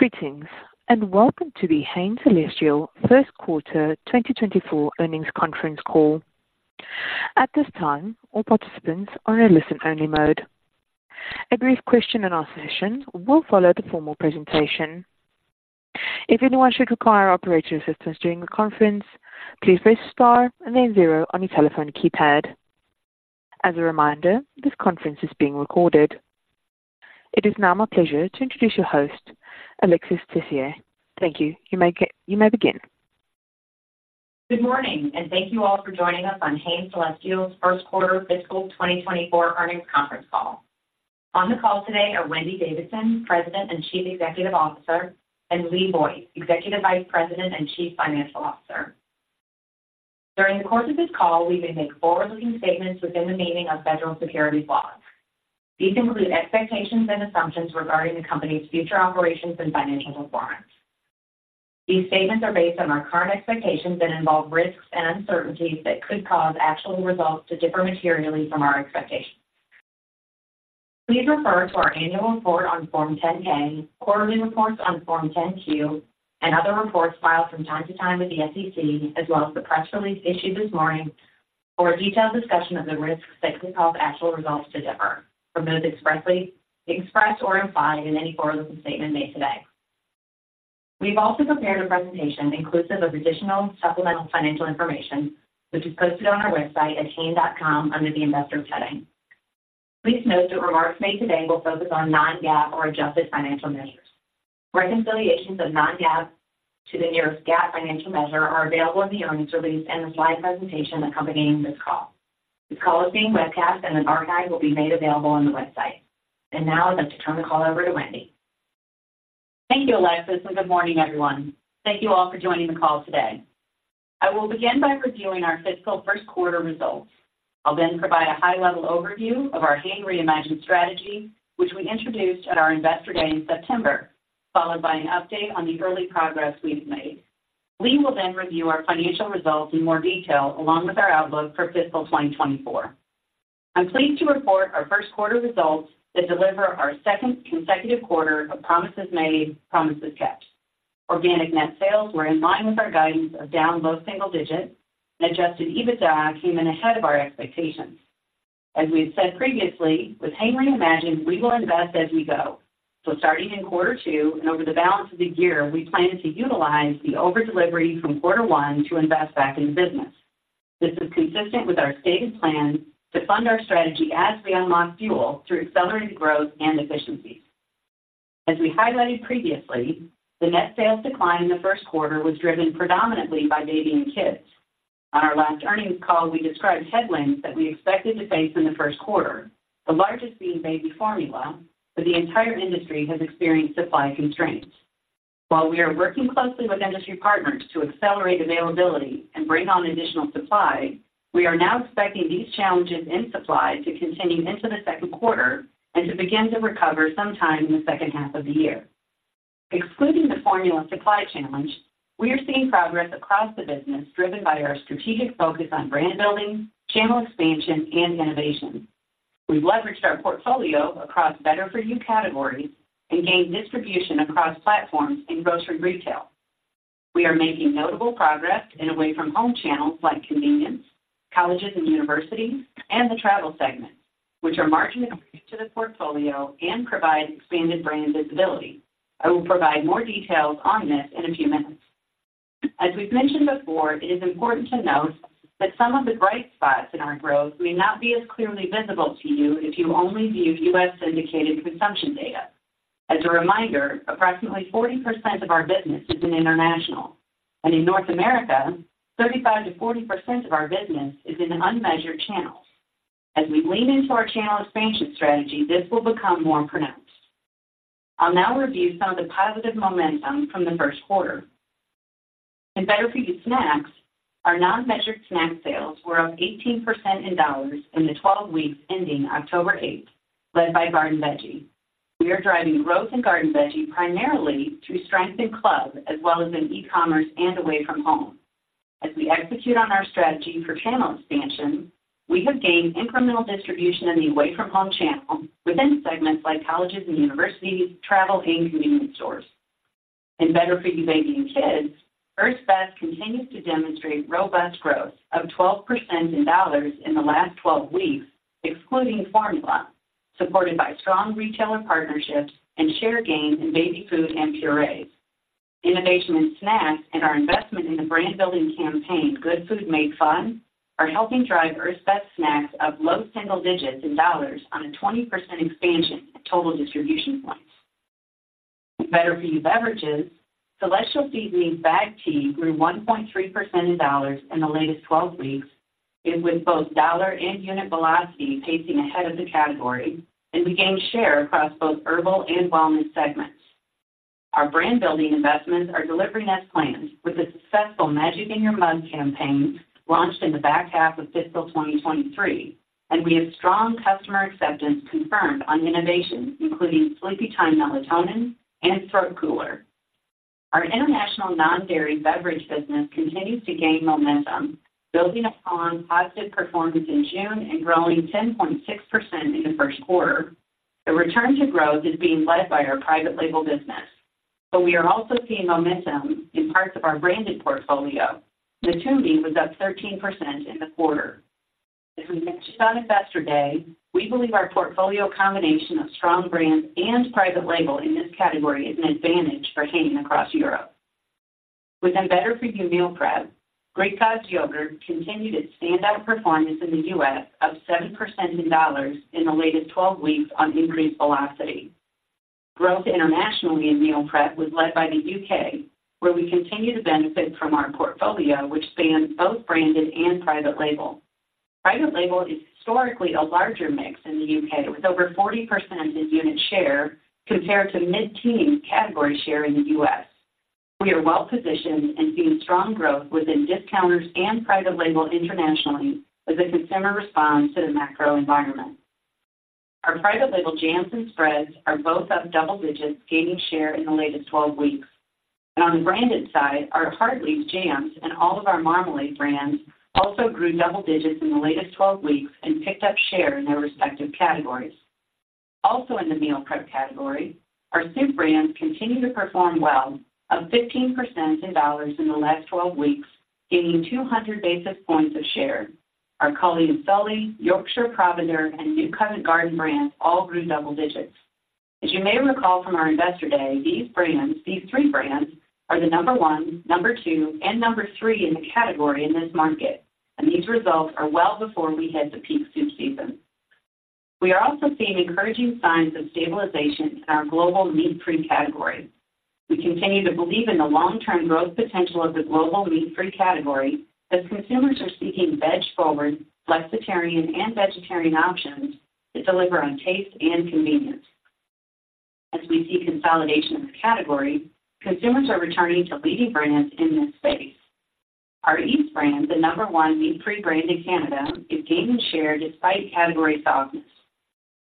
Greetings, and welcome to the Hain Celestial's Q1 2024 Earnings Conference Call. At this time, all participants are in a listen-only mode. A brief question and answer session will follow the formal presentation. If anyone should require operator assistance during the conference, please press Star and then zero on your telephone keypad. As a reminder, this conference is being recorded. It is now my pleasure to introduce your host, Alexis Tessier. Thank you. You may begin. Good morning, and thank you all for joining us on Hain Celestial's Q1 Fiscal 2024 Earnings Conference Call. On the call today are Wendy Davidson, President and Chief Executive Officer, and Lee Boyce, Executive Vice President and Chief Financial Officer. During the course of this call, we may make forward-looking statements within the meaning of federal securities laws. These include expectations and assumptions regarding the company's future operations and financial performance. These statements are based on our current expectations and involve risks and uncertainties that could cause actual results to differ materially from our expectations. Please refer to our annual report on Form 10-K, quarterly reports on Form 10-Q, and other reports filed from time to time with the SEC, as well as the press release issued this morning for a detailed discussion of the risks that could cause actual results to differ from those expressly expressed or implied in any forward-looking statement made today. We've also prepared a presentation inclusive of additional supplemental financial information, which is posted on our website at hain.com under the Investor heading. Please note that remarks made today will focus on non-GAAP or adjusted financial measures. Reconciliations of non-GAAP to the nearest GAAP financial measure are available in the earnings release and the slide presentation accompanying this call. This call is being webcast, and an archive will be made available on the website. Now I'd like to turn the call over to Wendy. Thank you, Alexis, and good morning, everyone. Thank you all for joining the call today. I will begin by reviewing our fiscal Q1 results. I'll then provide a high-level overview of our Hain Reimagined strategy, which we introduced at our Investor Day in September, followed by an update on the early progress we've made. Lee will then review our financial results in more detail, along with our outlook for fiscal 2024. I'm pleased to report our Q1 results that deliver our second consecutive quarter of promises made, promises kept. Organic net sales were in line with our guidance of down low single digits, and adjusted EBITDA came in ahead of our expectations. As we have said previously, with Hain Reimagined, we will invest as we go. Starting in Q2 and over the balance of the year, we plan to utilize the over-delivery from Q1 to invest back in the business. This is consistent with our stated plan to fund our strategy as we unlock fuel through accelerated growth and efficiencies. As we highlighted previously, the net sales decline in the Q1 was driven predominantly by baby and kids. On our last earnings call, we described headwinds that we expected to face in the Q1, the largest being baby formula, but the entire industry has experienced supply constraints. While we are working closely with industry partners to accelerate availability and bring on additional supply, we are now expecting these challenges in supply to continue into the Q2 and to begin to recover sometime in the second half of the year. Excluding the formula supply challenge, we are seeing progress across the business, driven by our strategic focus on brand building, channel expansion, and innovation. We've leveraged our portfolio across better-for-you categories and gained distribution across platforms in grocery retail. We are making notable progress in away from home channels like convenience, colleges and universities, and the travel segment, which are margin to the portfolio and provide expanded brand visibility. I will provide more details on this in a few minutes. As we've mentioned before, it is important to note that some of the bright spots in our growth may not be as clearly visible to you if you only view U.S. syndicated consumption data. As a reminder, approximately 40% of our business is in international, and in North America, 35%-40% of our business is in unmeasured channels. As we lean into our channel expansion strategy, this will become more pronounced. I'll now review some of the positive momentum from the Q1. In better-for-you snacks, our non-measured snack sales were up 18% in dollars in the 12 weeks ending October 8, led by Garden Veggie. We are driving growth in Garden Veggie primarily through strength in club, as well as in e-commerce and away from home. As we execute on our strategy for channel expansion, we have gained incremental distribution in the away-from-home channel within segments like colleges and universities, travel, and convenience stores. In better-for-you baby and kids, Earth's Best continues to demonstrate robust growth of 12% in dollars in the last 12 weeks, excluding formula, supported by strong retailer partnerships and share gains in baby food and purees. Innovation in snacks and our investment in the brand-building campaign, Good Food Made Fun, are helping drive Earth's Best snacks up low single digits in dollars on a 20% expansion in total distribution points. Better-for-you beverages, Celestial Seasonings bagged tea grew 1.3% in dollars in the latest 12 weeks, and with both dollar and unit velocity pacing ahead of the category, and we gained share across both herbal and wellness segments. Our brand-building investments are delivering as planned, with a successful Magic In Your Mug campaign launched in the back half of fiscal 2023, and we have strong customer acceptance confirmed on innovations, including Sleepytime Melatonin and Throat Soother. Our international non-dairy beverage business continues to gain momentum, building upon positive performance in June and growing 10.6% in the Q1. The return to growth is being led by our private label business, but we are also seeing momentum in parts of our branded portfolio. Natumi was up 13% in the quarter. As we mentioned on Investor Day, we believe our portfolio combination of strong brands and private label in this category is an advantage for Hain across Europe. Within Better For You Meal Prep, Greek Gods yogurt continued its stand out performance in the U.S., up 7% in dollars in the latest 12 weeks on increased velocity. Growth internationally in meal prep was led by the U.K., where we continue to benefit from our portfolio, which spans both branded and private label. Private label is historically a larger mix in the U.K., with over 40% in unit share, compared to mid-teen category share in the U.S. We are well positioned and seeing strong growth within discounters and private label internationally as the consumer responds to the macro environment. Our private label jams and spreads are both up double digits, gaining share in the latest 12 weeks. On the branded side, our Hartley's jams and all of our marmalade brands also grew double digits in the latest 12 weeks and picked up share in their respective categories. Also, in the meal prep category, our soup brands continue to perform well, up 15% in dollars in the last 12 weeks, gaining 200 basis points of share. Our Cully & Sully, Yorkshire Provender, and New Covent Garden brands all grew double digits. As you may recall from our Investor Day, these brands, these three brands are the number one, number two, and number three in the category in this market, and these results are well before we head to peak soup season. We are also seeing encouraging signs of stabilization in our global meat-free category. We continue to believe in the long-term growth potential of the global meat-free category, as consumers are seeking veg-forward, flexitarian, and vegetarian options that deliver on taste and convenience. As we see consolidation in the category, consumers are returning to leading brands in this space. Our Yves brand, the number one meat-free brand in Canada, is gaining share despite category softness.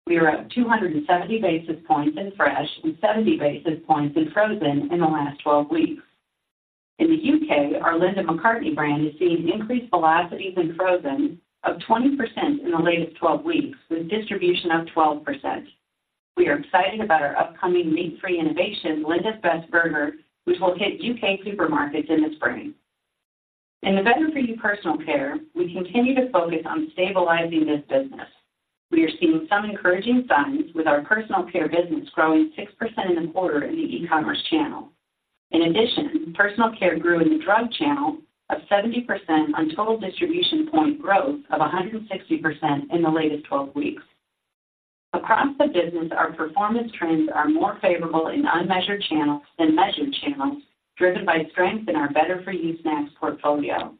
We are up 270 basis points in fresh and 70 basis points in frozen in the last 12 weeks. In the UK, our Linda McCartney brand is seeing increased velocities in frozen of 20% in the latest 12 weeks, with distribution up 12%. We are excited about our upcoming meat-free innovation, Linda's Best Burger, which will hit UK supermarkets in the spring. In the Better For You personal care, we continue to focus on stabilizing this business. We are seeing some encouraging signs, with our personal care business growing 6% in the quarter in the e-commerce channel. In addition, personal care grew in the drug channel of 70% on total distribution point growth of 160% in the latest 12 weeks. Across the business, our performance trends are more favorable in unmeasured channels than measured channels, driven by strength in our Better For You snacks portfolio.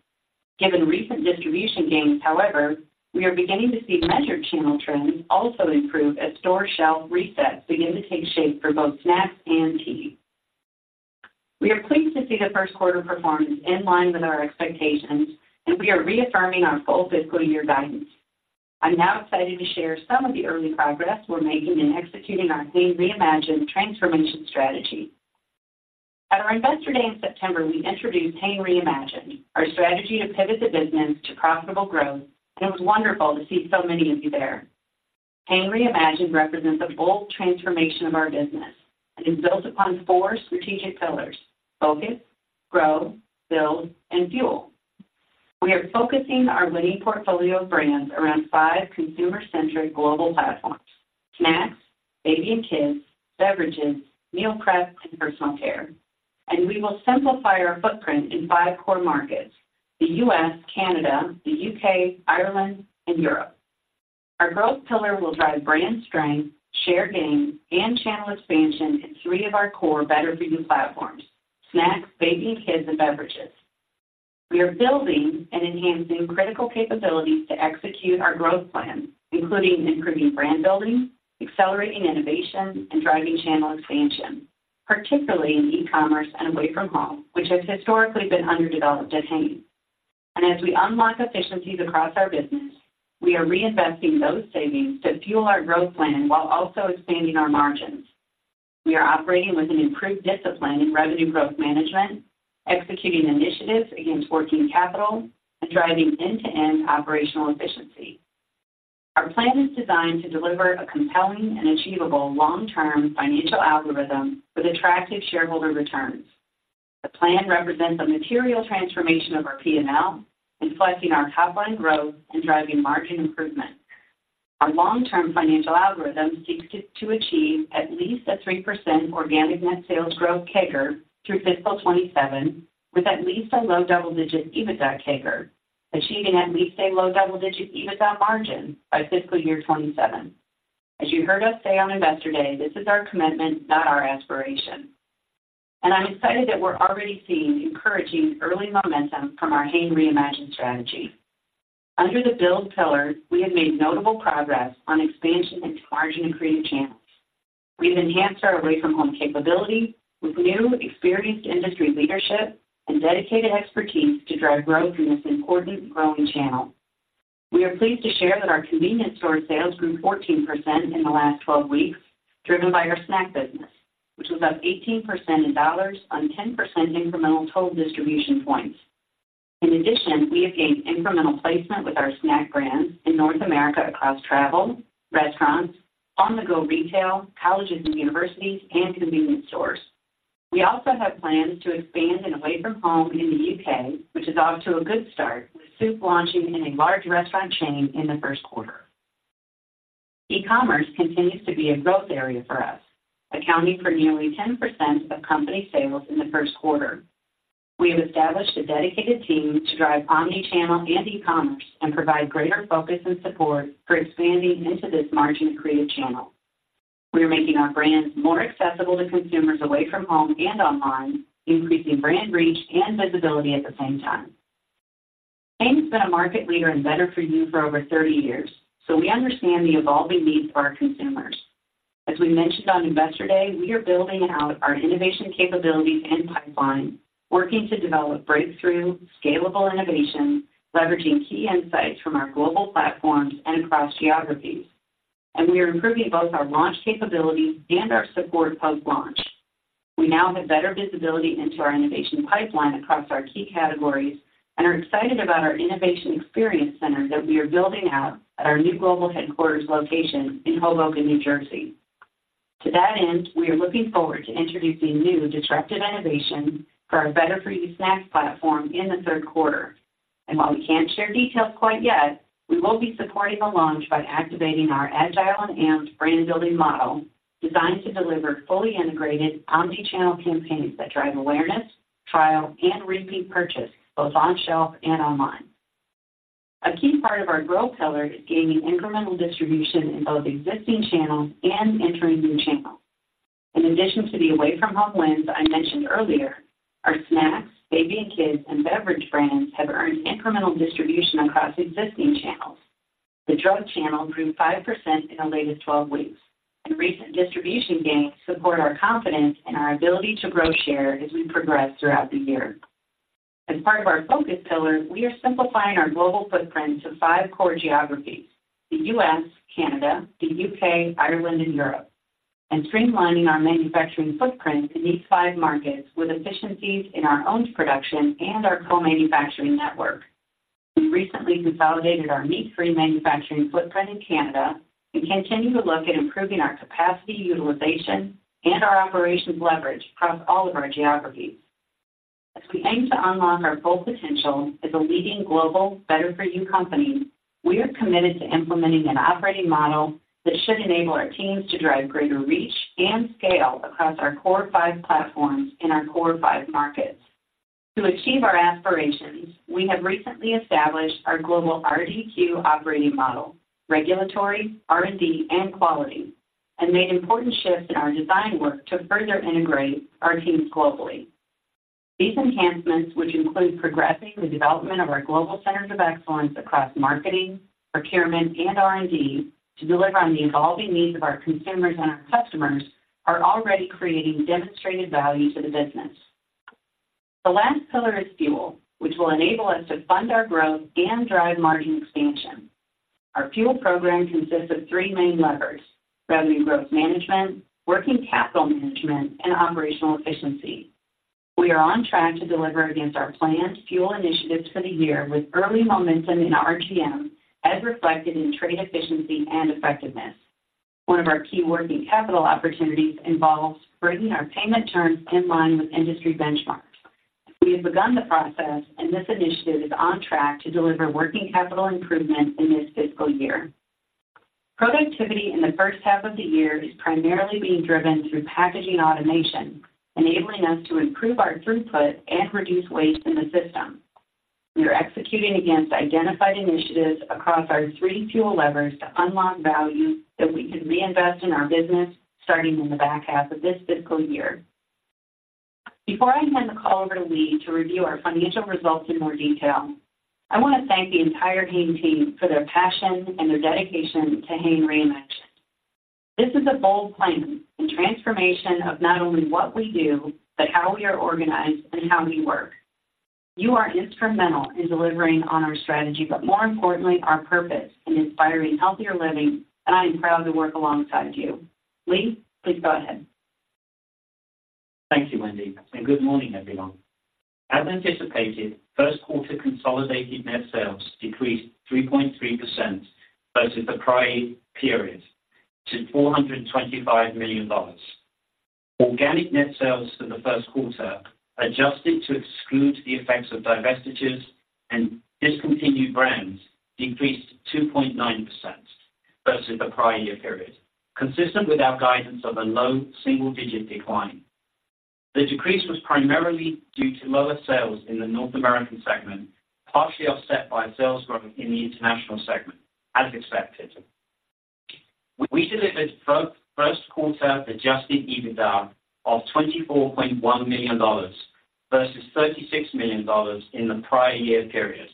Given recent distribution gains, however, we are beginning to see measured channel trends also improve as store shelf resets begin to take shape for both snacks and tea. We are pleased to see the Q1 performance in line with our expectations, and we are reaffirming our full fiscal year guidance. I'm now excited to share some of the early progress we're making in executing our Hain Reimagined transformation strategy. At our Investor Day in September, we introduced Hain Reimagined, our strategy to pivot the business to profitable growth, and it was wonderful to see so many of you there. Hain Reimagined represents a bold transformation of our business. It is built upon four strategic pillars: focus, grow, build, and fuel. We are focusing our winning portfolio of brands around five consumer-centric global platforms: snacks, baby and kids, beverages, meal prep, and personal care. We will simplify our footprint in five core markets: the U.S., Canada, the U.K., Ireland, and Europe. Our growth pillar will drive brand strength, share gain, and channel expansion in three of our core Better For You platforms: snacks, baby and kids, and beverages. We are building and enhancing critical capabilities to execute our growth plan, including improving brand building, accelerating innovation, and driving channel expansion, particularly in e-commerce and away from home, which has historically been underdeveloped at Hain. And as we unlock efficiencies across our business, we are reinvesting those savings to fuel our growth plan while also expanding our margins. We are operating with an improved discipline in revenue growth management, executing initiatives against working capital, and driving end-to-end operational efficiency. Our plan is designed to deliver a compelling and achievable long-term financial algorithm with attractive shareholder returns. The plan represents a material transformation of our P&L, inflicting our top-line growth and driving margin improvement. Our long-term financial algorithm seeks to achieve at least a 3% organic net sales growth CAGR through fiscal 2027, with at least a low double-digit EBITDA CAGR, achieving at least a low double-digit EBITDA margin by fiscal year 2027. As you heard us say on Investor Day, this is our commitment, not our aspiration. I'm excited that we're already seeing encouraging early momentum from our Hain Reimagined strategy. Under the build pillar, we have made notable progress on expansion into margin-creating channels. We've enhanced our away from home capability with new, experienced industry leadership and dedicated expertise to drive growth in this important growing channel.... We are pleased to share that our convenience store sales grew 14% in the last 12 weeks, driven by our snack business, which was up 18% in dollars on 10% incremental total distribution points. In addition, we have gained incremental placement with our snack brands in North America across travel, restaurants, on-the-go retail, colleges and universities, and convenience stores. We also have plans to expand away from home in the UK, which is off to a good start, with soup launching in a large restaurant chain in the Q1. E-commerce continues to be a growth area for us, accounting for nearly 10% of company sales in the Q1. We have established a dedicated team to drive omni-channel and e-commerce and provide greater focus and support for expanding into this margin-accretive channel. We are making our brands more accessible to consumers away from home and online, increasing brand reach and visibility at the same time. Hain has been a market leader and better for you for over 30 years, so we understand the evolving needs of our consumers. As we mentioned on Investor Day, we are building out our innovation capabilities and pipeline, working to develop breakthrough scalable innovations, leveraging key insights from our global platforms and across geographies. We are improving both our launch capabilities and our support post-launch. We now have better visibility into our innovation pipeline across our key categories and are excited about our innovation experience center that we are building out at our new global headquarters location in Hoboken, New Jersey. To that end, we are looking forward to introducing new disruptive innovations for our better-for-you snack platform in the Q3. While we can't share details quite yet, we will be supporting the launch by activating our agile and AMPed brand building model, designed to deliver fully integrated omni-channel campaigns that drive awareness, trial, and repeat purchase, both on-shelf and online. A key part of our growth pillar is gaining incremental distribution in both existing channels and entering new channels. In addition to the away-from-home wins I mentioned earlier, our snacks, baby and kids, and beverage brands have earned incremental distribution across existing channels. The drug channel grew 5% in the latest 12 weeks, and recent distribution gains support our confidence in our ability to grow share as we progress throughout the year. As part of our focus pillar, we are simplifying our global footprint to five core geographies: the U.S., Canada, the U.K., Ireland, and Europe, and streamlining our manufacturing footprint in these five markets with efficiencies in our own production and our co-manufacturing network. We recently consolidated our meat-free manufacturing footprint in Canada and continue to look at improving our capacity, utilization, and our operations leverage across all of our geographies. As we aim to unlock our full potential as a leading global better-for-you company, we are committed to implementing an operating model that should enable our teams to drive greater reach and scale across our core five platforms in our core five markets. To achieve our aspirations, we have recently established our global RDQ operating model, regulatory, R&D, and quality, and made important shifts in our design work to further integrate our teams globally. These enhancements, which include progressing the development of our global centers of excellence across marketing, procurement, and R&D to deliver on the evolving needs of our consumers and our customers, are already creating demonstrated value to the business. The last pillar is fuel, which will enable us to fund our growth and drive margin expansion. Our fuel program consists of three main levers: revenue growth management, working capital management, and operational efficiency. We are on track to deliver against our planned fuel initiatives for the year, with early momentum in RGM as reflected in trade efficiency and effectiveness. One of our key working capital opportunities involves bringing our payment terms in line with industry benchmarks. We have begun the process, and this initiative is on track to deliver working capital improvement in this fiscal year. Productivity in the first half of the year is primarily being driven through packaging automation, enabling us to improve our throughput and reduce waste in the system. We are executing against identified initiatives across our three fuel levers to unlock value that we can reinvest in our business, starting in the back half of this fiscal year. Before I hand the call over to Lee to review our financial results in more detail, I want to thank the entire Hain team for their passion and their dedication to Hain Reimagined. This is a bold plan and transformation of not only what we do, but how we are organized and how we work. You are instrumental in delivering on our strategy, but more importantly, our purpose in inspiring healthier living, and I am proud to work alongside you. Lee, please go ahead. Thank you, Wendy, and good morning, everyone. As anticipated, Q1 consolidated net sales decreased 3.3% versus the prior period to $425 million. Organic net sales for the Q1, adjusted to exclude the effects of divestitures and discontinued brands, increased 2.9% versus the prior year period, consistent with our guidance of a low single-digit decline. The decrease was primarily due to lower sales in the North American segment, partially offset by sales growth in the international segment, as expected. We delivered both Q1 Adjusted EBITDA of $24.1 million versus $36 million in the prior year period.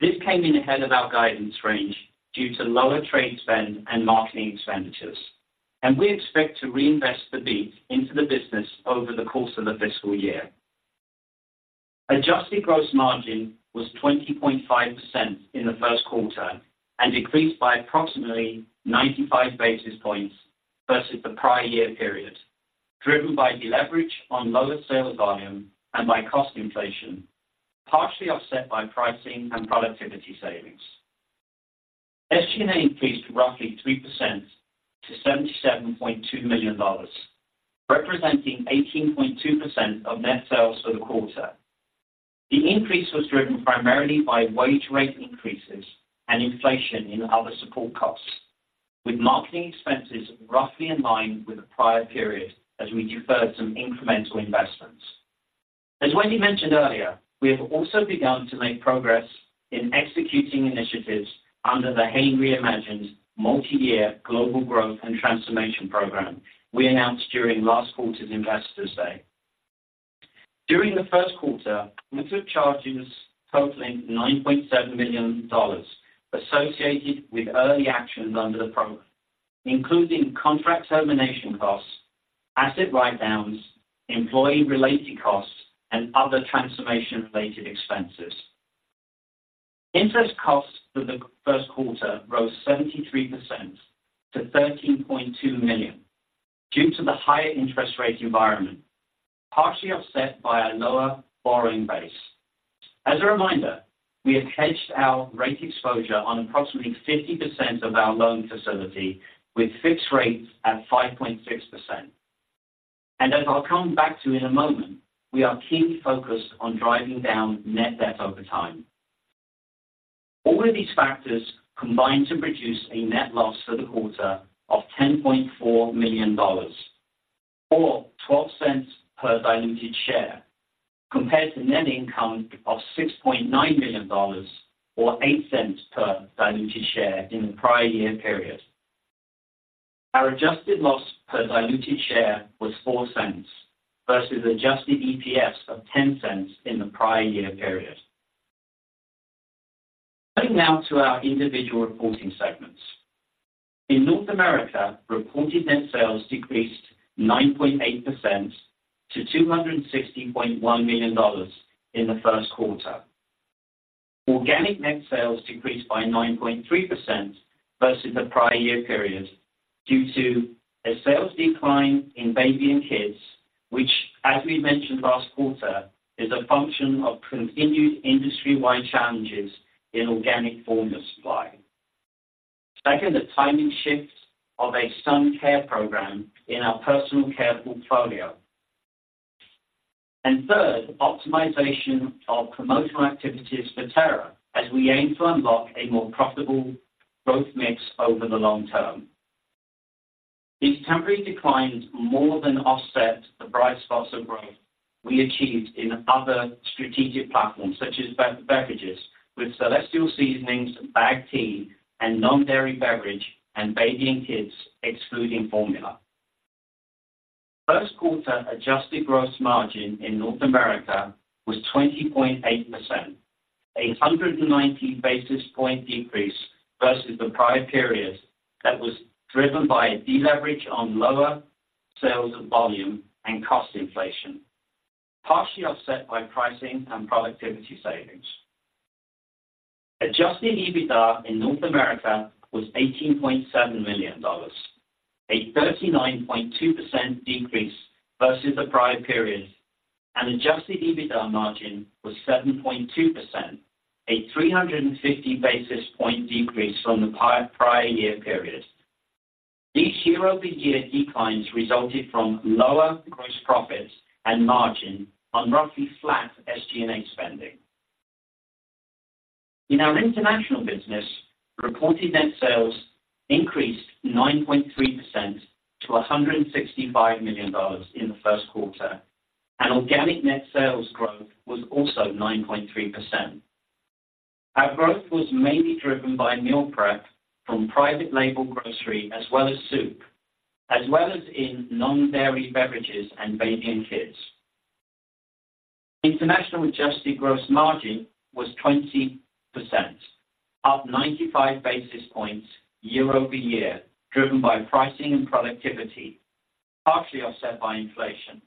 This came in ahead of our guidance range due to lower trade spend and marketing expenditures, and we expect to reinvest the beat into the business over the course of the fiscal year. Adjusted gross margin was 20.5% in the Q1, and decreased by approximately 95 basis points versus the prior year period, driven by deleverage on lower sales volume and by cost inflation, partially offset by pricing and productivity savings. SG&A increased roughly 3% to $77.2 million, representing 18.2% of net sales for the quarter. The increase was driven primarily by wage rate increases and inflation in other support costs, with marketing expenses roughly in line with the prior period as we deferred some incremental investments. As Wendy mentioned earlier, we have also begun to make progress in executing initiatives under the Hain Reimagined multi-year global growth and transformation program we announced during last quarter's Investors Day. During the Q1, we took charges totaling $9.7 million associated with early actions under the program, including contract termination costs, asset write-downs, employee-related costs, and other transformation-related expenses. Interest costs for the Q1 rose 73% to $13.2 million, due to the higher interest rate environment, partially offset by a lower borrowing base. As a reminder, we have hedged our rate exposure on approximately 50% of our loan facility with fixed rates at 5.6%. And as I'll come back to in a moment, we are keenly focused on driving down net debt over time. All of these factors combined to produce a net loss for the quarter of $10.4 million or $0.12 per diluted share, compared to net income of $6.9 million or $0.08 per diluted share in the prior year period. Our adjusted loss per diluted share was $0.04 versus adjusted EPS of $0.10 in the prior year period. Turning now to our individual reporting segments. In North America, reported net sales decreased 9.8% to $260.1 million in the Q1. Organic net sales decreased by 9.3% versus the prior year period due to a sales decline in baby and kids, which, as we mentioned last quarter, is a function of continued industry-wide challenges in organic formula supply. Second, the timing shifts of a sun care program in our personal care portfolio. And third, optimization of promotional activities for Terra, as we aim to unlock a more profitable growth mix over the long term. These temporary declines more than offset the bright spots of growth we achieved in other strategic platforms, such as beverages with Celestial Seasonings, bagged tea, and non-dairy beverage, and baby and kids, excluding formula. Q1 adjusted gross margin in North America was 20.8%, a 190 basis point decrease versus the prior period that was driven by a deleverage on lower sales volume and cost inflation, partially offset by pricing and productivity savings. Adjusted EBITDA in North America was $18.7 million, a 39.2% decrease versus the prior period, and adjusted EBITDA margin was 7.2%, a 350 basis point decrease from the prior, prior year period. These year-over-year declines resulted from lower gross profits and margin on roughly flat SG&A spending. In our international business, reported net sales increased 9.3% to $165 million in the Q1, and organic net sales growth was also 9.3%. Our growth was mainly driven by meal prep from private label grocery as well as soup, as well as in non-dairy beverages and baby and kids. International adjusted gross margin was 20%, up 95 basis points year-over-year, driven by pricing and productivity, partially offset by inflation.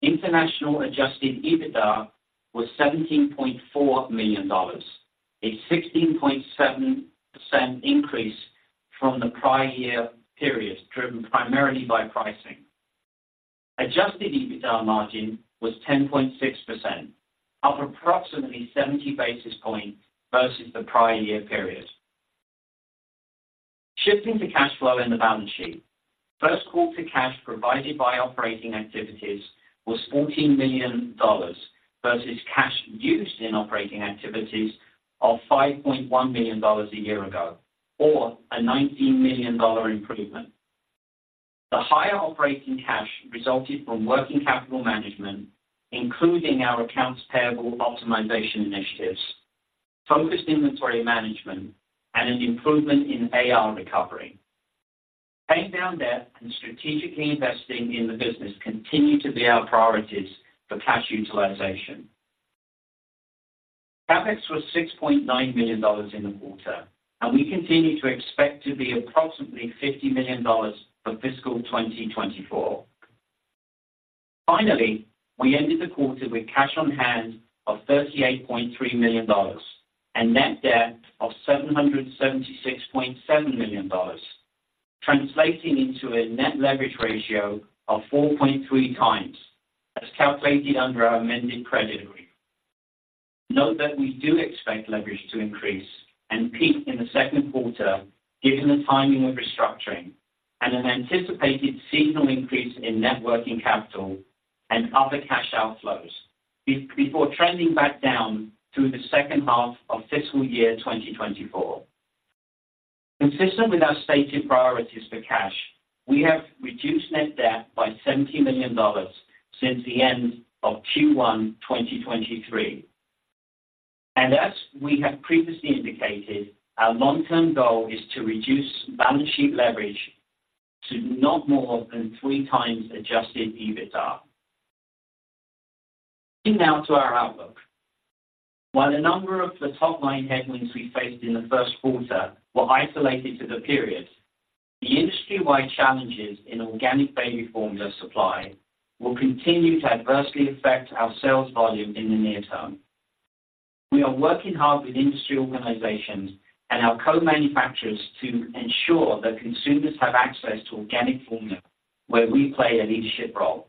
International adjusted EBITDA was $17.4 million, a 16.7% increase from the prior year period, driven primarily by pricing. Adjusted EBITDA margin was 10.6%, up approximately seventy basis points versus the prior year period. Shifting to cash flow and the balance sheet. Q1 cash provided by operating activities was $14 million, versus cash used in operating activities of $5.1 million a year ago, or a $19 million improvement. The higher operating cash resulted from working capital management, including our accounts payable optimization initiatives, focused inventory management, and an improvement in AR recovery. Paying down debt and strategically investing in the business continue to be our priorities for cash utilization. CapEx was $6.9 million in the quarter, and we continue to expect to be approximately $50 million for fiscal 2024. Finally, we ended the quarter with cash on hand of $38.3 million and net debt of $776.7 million, translating into a net leverage ratio of 4.3x, as calculated under our amended credit agreement. Note that we do expect leverage to increase and peak in the Q2, given the timing of restructuring and an anticipated seasonal increase in net working capital and other cash outflows, before trending back down through the second half of fiscal year 2024. Consistent with our stated priorities for cash, we have reduced net debt by $70 million since the end of Q1 2023. As we have previously indicated, our long-term goal is to reduce balance sheet leverage to not more than 3x adjusted EBITDA. Turning now to our outlook. While a number of the top-line headwinds we faced in the Q1 were isolated to the period, the industry-wide challenges in organic baby formula supply will continue to adversely affect our sales volume in the near term. We are working hard with industry organizations and our co-manufacturers to ensure that consumers have access to organic formula, where we play a leadership role.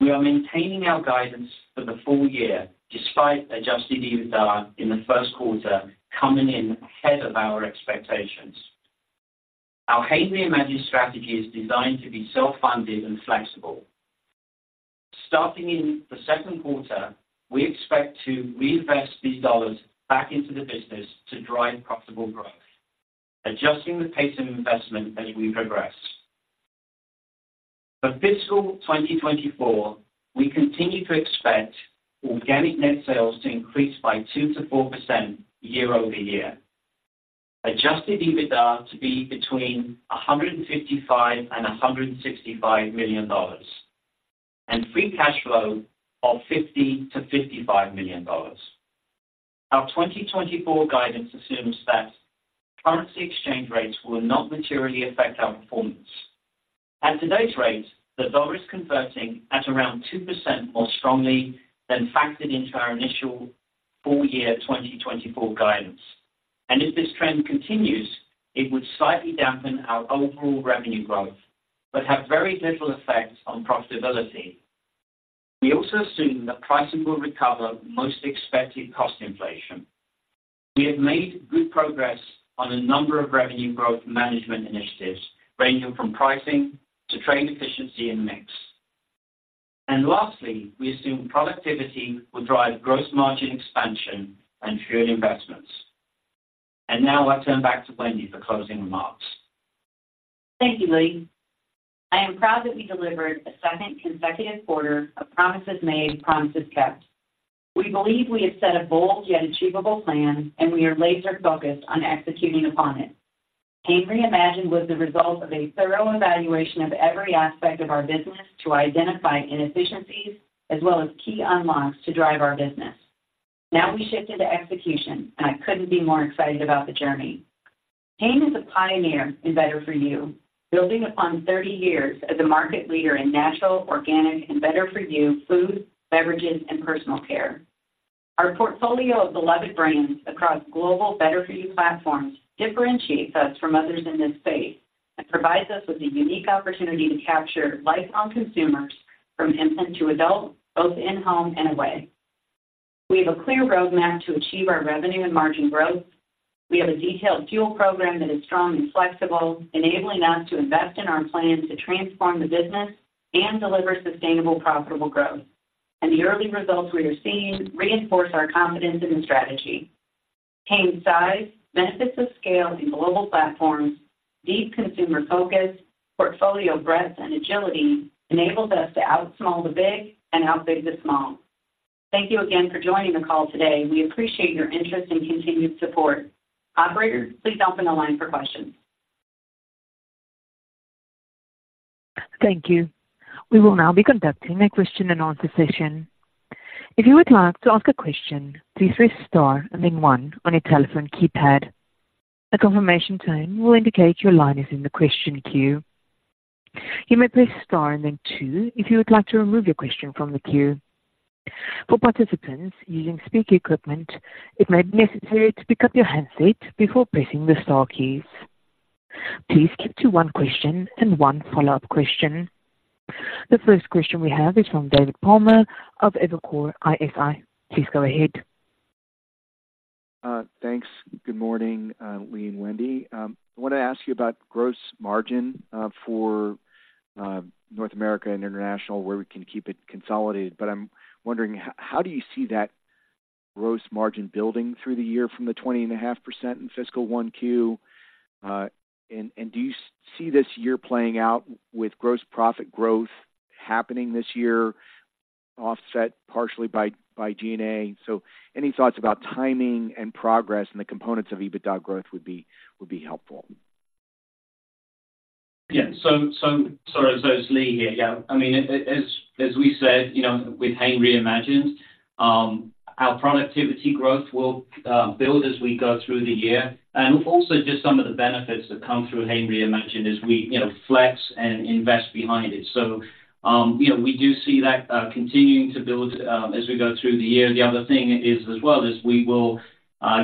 We are maintaining our guidance for the full year, despite Adjusted EBITDA in the Q1 coming in ahead of our expectations. Our Hain Reimagined strategy is designed to be self-funded and flexible. Starting in the Q2, we expect to reinvest these dollars back into the business to drive profitable growth, adjusting the pace of investment as we progress. For fiscal 2024, we continue to expect organic net sales to increase by 2%-4% year-over-year, adjusted EBITDA to be between $155 million and $165 million, and free cash flow of $50 million-$55 million. Our 2024 guidance assumes that currency exchange rates will not materially affect our performance. At today's rate, the dollar is converting at around 2% more strongly than factored into our initial full-year 2024 guidance, and if this trend continues, it would slightly dampen our overall revenue growth, but have very little effect on profitability. We also assume that pricing will recover most expected cost inflation. We have made good progress on a number of revenue growth management initiatives, ranging from pricing to trade efficiency and mix. Lastly, we assume productivity will drive gross margin expansion and fuel investments. Now I turn back to Wendy for closing remarks. Thank you, Lee. I am proud that we delivered a second consecutive quarter of promises made, promises kept. We believe we have set a bold yet achievable plan, and we are laser focused on executing upon it. Hain Reimagined was the result of a thorough evaluation of every aspect of our business to identify inefficiencies as well as key unlocks to drive our business. Now we shift into execution, and I couldn't be more excited about the journey. Hain is a pioneer in better for you, building upon 30 years as a market leader in natural, organic, and better for you food, beverages, and personal care. Our portfolio of beloved brands across global better for you platforms differentiates us from others in this space and provides us with a unique opportunity to capture lifelong consumers from infant to adult, both in home and away. We have a clear roadmap to achieve our revenue and margin growth. We have a detailed fuel program that is strong and flexible, enabling us to invest in our plan to transform the business and deliver sustainable, profitable growth. The early results we are seeing reinforce our confidence in the strategy. Hain's size, benefits of scale and global platforms, deep consumer focus, portfolio breadth, and agility enables us to out small the big and out big the small. Thank you again for joining the call today. We appreciate your interest and continued support. Operator, please open the line for questions. Thank you. We will now be conducting a question-and-answer session. If you would like to ask a question, please press star and then one on your telephone keypad. A confirmation tone will indicate your line is in the question queue. You may press star and then two if you would like to remove your question from the queue. For participants using speaker equipment, it may be necessary to pick up your handset before pressing the star keys. Please keep to one question and one follow-up question. The first question we have is from David Palmer of Evercore ISI. Please go ahead. Thanks. Good morning, Lee and Wendy. I want to ask you about gross margin for North America and International, where we can keep it consolidated. But I'm wondering, how do you see that gross margin building through the year from the 20.5% in fiscal Q1? And do you see this year playing out with gross profit growth happening this year, offset partially by G&A? So any thoughts about timing and progress and the components of EBITDA growth would be helpful. Yeah, so sorry, so it's Lee here. Yeah, I mean, as we said, you know, with Hain Reimagined, our productivity growth will build as we go through the year. And also just some of the benefits that come through Hain Reimagined as we, you know, flex and invest behind it. So, you know, we do see that continuing to build as we go through the year. The other thing is, as well, we will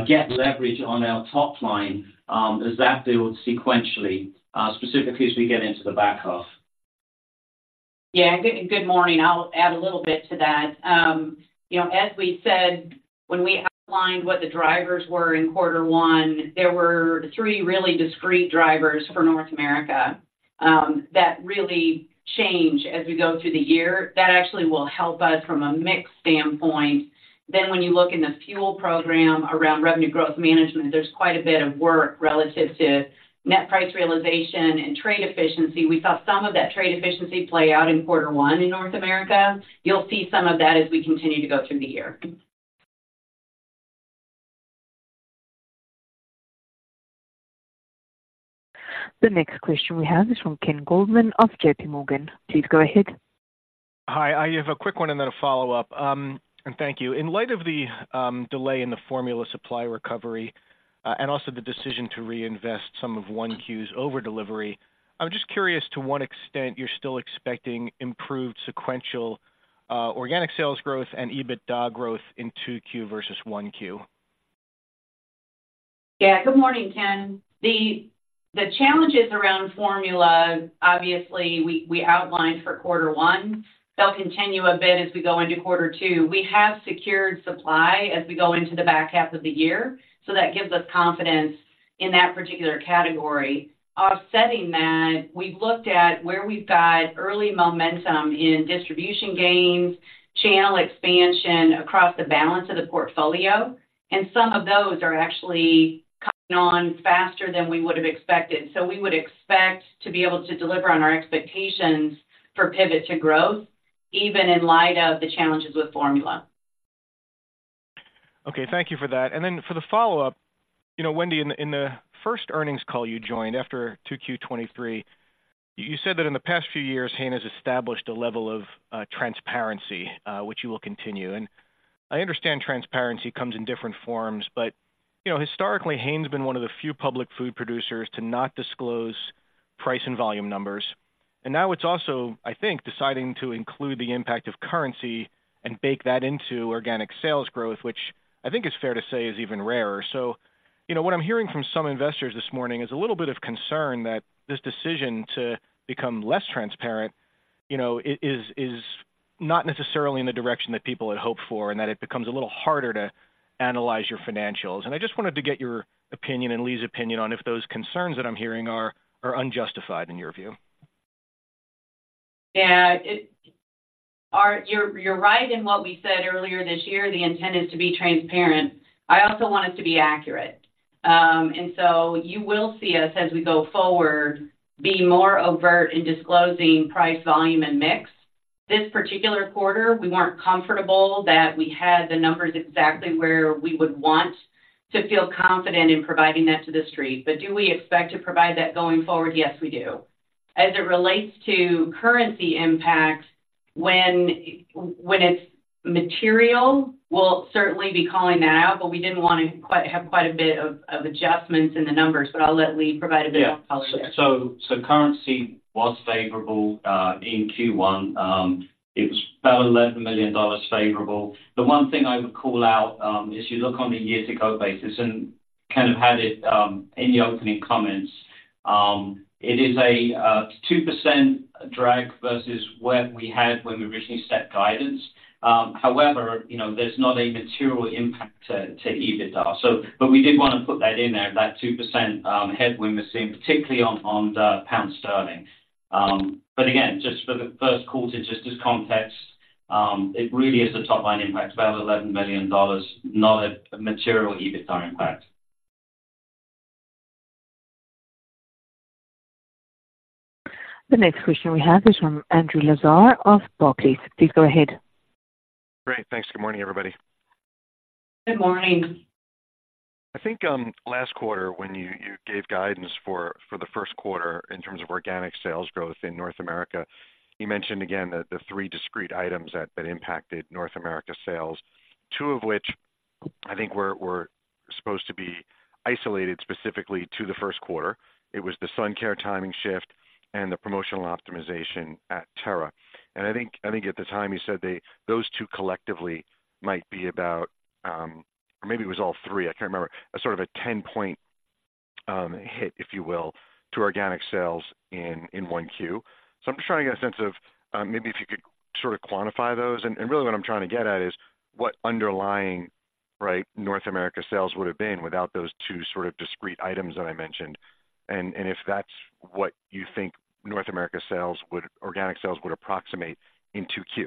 get leverage on our top line as that builds sequentially, specifically as we get into the back half. Yeah, good morning. I'll add a little bit to that. You know, as we said, when we outlined what the drivers were in Q1, there were three really discrete drivers for North America, that really change as we go through the year. That actually will help us from a mix standpoint. Then, when you look in the fuel program around revenue growth management, there's quite a bit of work relative to net price realization and trade efficiency. We saw some of that trade efficiency play out in Q1 in North America. You'll see some of that as we continue to go through the year. The next question we have is from Ken Goldman of JP Morgan. Please go ahead. Hi, I have a quick one and then a follow-up. Thank you. In light of the delay in the formula supply recovery, and also the decision to reinvest some of Q1's over delivery, I'm just curious to what extent you're still expecting improved sequential organic sales growth and EBITDA growth in Q2 versus Q1? Yeah. Good morning, Ken. The challenges around formula, obviously, we outlined for Q1, they'll continue a bit as we go into Q2. We have secured supply as we go into the back half of the year, so that gives us confidence in that particular category. Offsetting that, we've looked at where we've got early momentum in distribution gains, channel expansion across the balance of the portfolio, and some of those are actually coming on faster than we would have expected. So we would expect to be able to deliver on our expectations for pivot to growth, even in light of the challenges with formula. Okay, thank you for that. And then for the follow-up, you know, Wendy, in the first earnings call you joined after Q2 2023, you said that in the past few years, Hain has established a level of transparency which you will continue. And I understand transparency comes in different forms, but you know, historically, Hain's been one of the few public food producers to not disclose price and volume numbers. And now it's also, I think, deciding to include the impact of currency and bake that into organic sales growth, which I think is fair to say is even rarer. So, you know, what I'm hearing from some investors this morning is a little bit of concern that this decision to become less transparent, you know, is not necessarily in the direction that people had hoped for, and that it becomes a little harder to analyze your financials. And I just wanted to get your opinion and Lee's opinion on if those concerns that I'm hearing are unjustified in your view? Yeah, you're right in what we said earlier this year, the intent is to be transparent. I also want us to be accurate. And so you will see us as we go forward, being more overt in disclosing price, volume, and mix. This particular quarter, we weren't comfortable that we had the numbers exactly where we would want to feel confident in providing that to the street. But do we expect to provide that going forward? Yes, we do. As it relates to currency impact, when it's material, we'll certainly be calling that out, but we didn't want to have quite a bit of adjustments in the numbers. But I'll let Lee provide a bit of color there. Yeah. So, so currency was favorable in Q1. It was about $11 million favorable. The one thing I would call out, as you look on a year-to-go basis and kind of had it in the opening comments, it is a 2% drag versus what we had when we originally set guidance. However, you know, there's not a material impact to EBITDA. So, but we did want to put that in there, that 2% headwind we're seeing, particularly on the pound sterling. But again, just for the Q1, just as context, it really is a top-line impact, about $11 million, not a material EBITDA impact. The next question we have is from Andrew Lazar of Barclays. Please go ahead. Great. Thanks. Good morning, everybody. Good morning. I think, last quarter, when you, you gave guidance for, for the Q1 in terms of organic sales growth in North America, you mentioned again that the three discrete items that, that impacted North America sales, two of which I think were, were supposed to be isolated specifically to the Q1. It was the sun care timing shift and the promotional optimization at Terra. And I think, I think at the time you said they, those two collectively might be about, or maybe it was all three, I can't remember, a sort of a 10-point hit, if you will, to organic sales in, in Q1. So I'm just trying to get a sense of, maybe if you could sort of quantify those. Really, what I'm trying to get at is what underlying, right, North America sales would have been without those two sort of discrete items that I mentioned, and if that's what you think North America sales would, organic sales would approximate in Q2?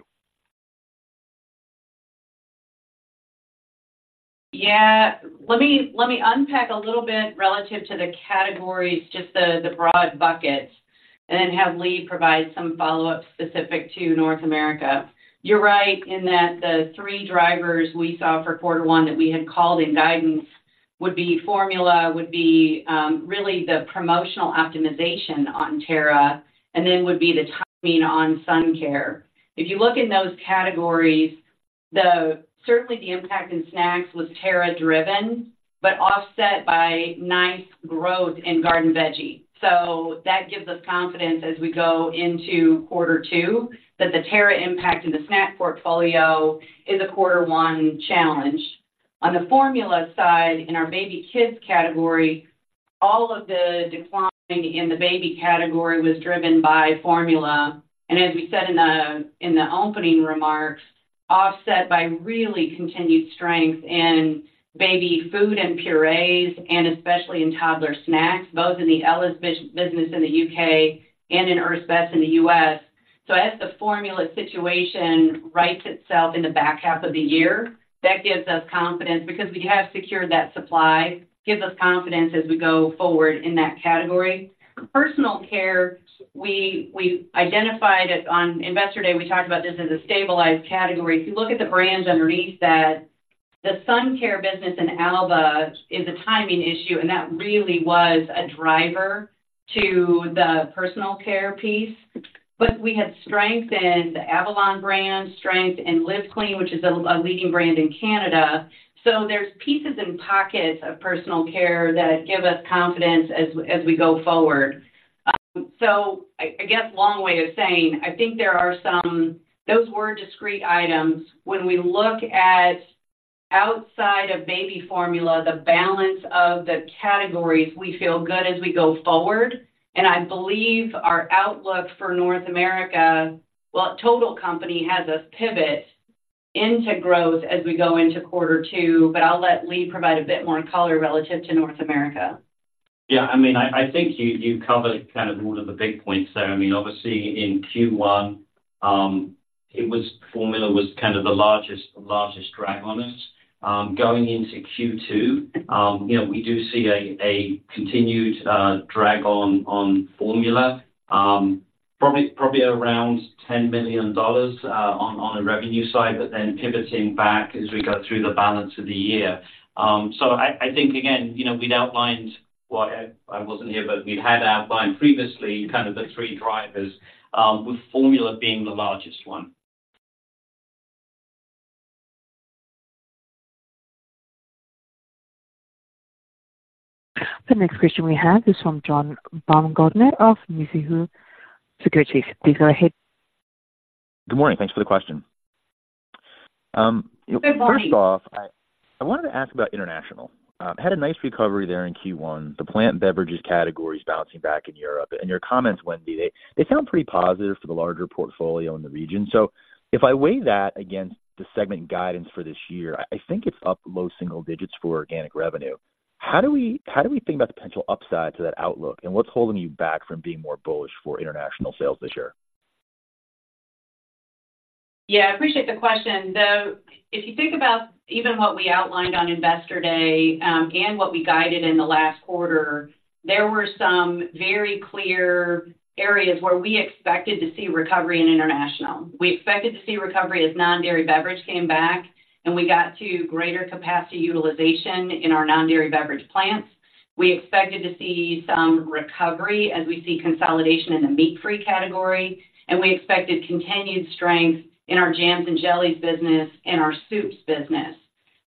Yeah. Let me, let me unpack a little bit relative to the categories, just the, the broad buckets, and then have Lee provide some follow-up specific to North America. You're right in that the three drivers we saw for Q1 that we had called in guidance would be formula, would be really the promotional optimization on Terra, and then would be the timing on sun care. If you look in those categories, certainly the impact in snacks was Terra-driven, but offset by nice growth in Garden Veggie. So that gives us confidence as we go into Q2, that the Terra impact in the snack portfolio is a Q1 challenge. On the formula side, in our baby kids category, all of the decline in the baby category was driven by formula, and as we said in the opening remarks, offset by really continued strength in baby food and purees, and especially in toddler snacks, both in the Ella's business in the U.K. and in Earth's Best in the U.S. So as the formula situation rights itself in the back half of the year, that gives us confidence because we have secured that supply, gives us confidence as we go forward in that category. Personal care, we identified it on Investor Day. We talked about this as a stabilized category. If you look at the brands underneath that, the sun care business in Alba is a timing issue, and that really was a driver to the personal care piece. But we had strength in the Avalon brand, strength in Live Clean, which is a leading brand in Canada. So there's pieces in pockets of personal care that give us confidence as we go forward. So I guess, long way of saying, I think there are some, those were discrete items. When we look at outside of baby formula, the balance of the categories, we feel good as we go forward. And I believe our outlook for North America, well, total company has us pivot into growth as we go into Q2, but I'll let Lee provide a bit more color relative to North America. Yeah, I mean, I think you covered kind of all of the big points there. I mean, obviously, in Q1, it was formula was kind of the largest drag on us. Going into Q2, you know, we do see a continued drag on formula, probably around $10 million on a revenue side, but then pivoting back as we go through the balance of the year. So I think, again, you know, we'd outlined, well, I wasn't here, but we'd outlined previously kind of the three drivers with formula being the largest one. The next question we have is from John Baumgartner of Mizuho Securities. Please go ahead. Good morning. Thanks for the question. Good morning. First off, I wanted to ask about international. Had a nice recovery there in Q1. The plant beverages category is bouncing back in Europe, and your comments, Wendy, they sound pretty positive for the larger portfolio in the region. So if I weigh that against the segment guidance for this year, I think it's up low single digits for organic revenue. How do we think about the potential upside to that outlook, and what's holding you back from being more bullish for international sales this year? Yeah, I appreciate the question. If you think about even what we outlined on Investor Day, and what we guided in the last quarter, there were some very clear areas where we expected to see recovery in international. We expected to see recovery as non-dairy beverage came back, and we got to greater capacity utilization in our non-dairy beverage plants. We expected to see some recovery as we see consolidation in the meat-free category, and we expected continued strength in our jams and jellies business and our soups business.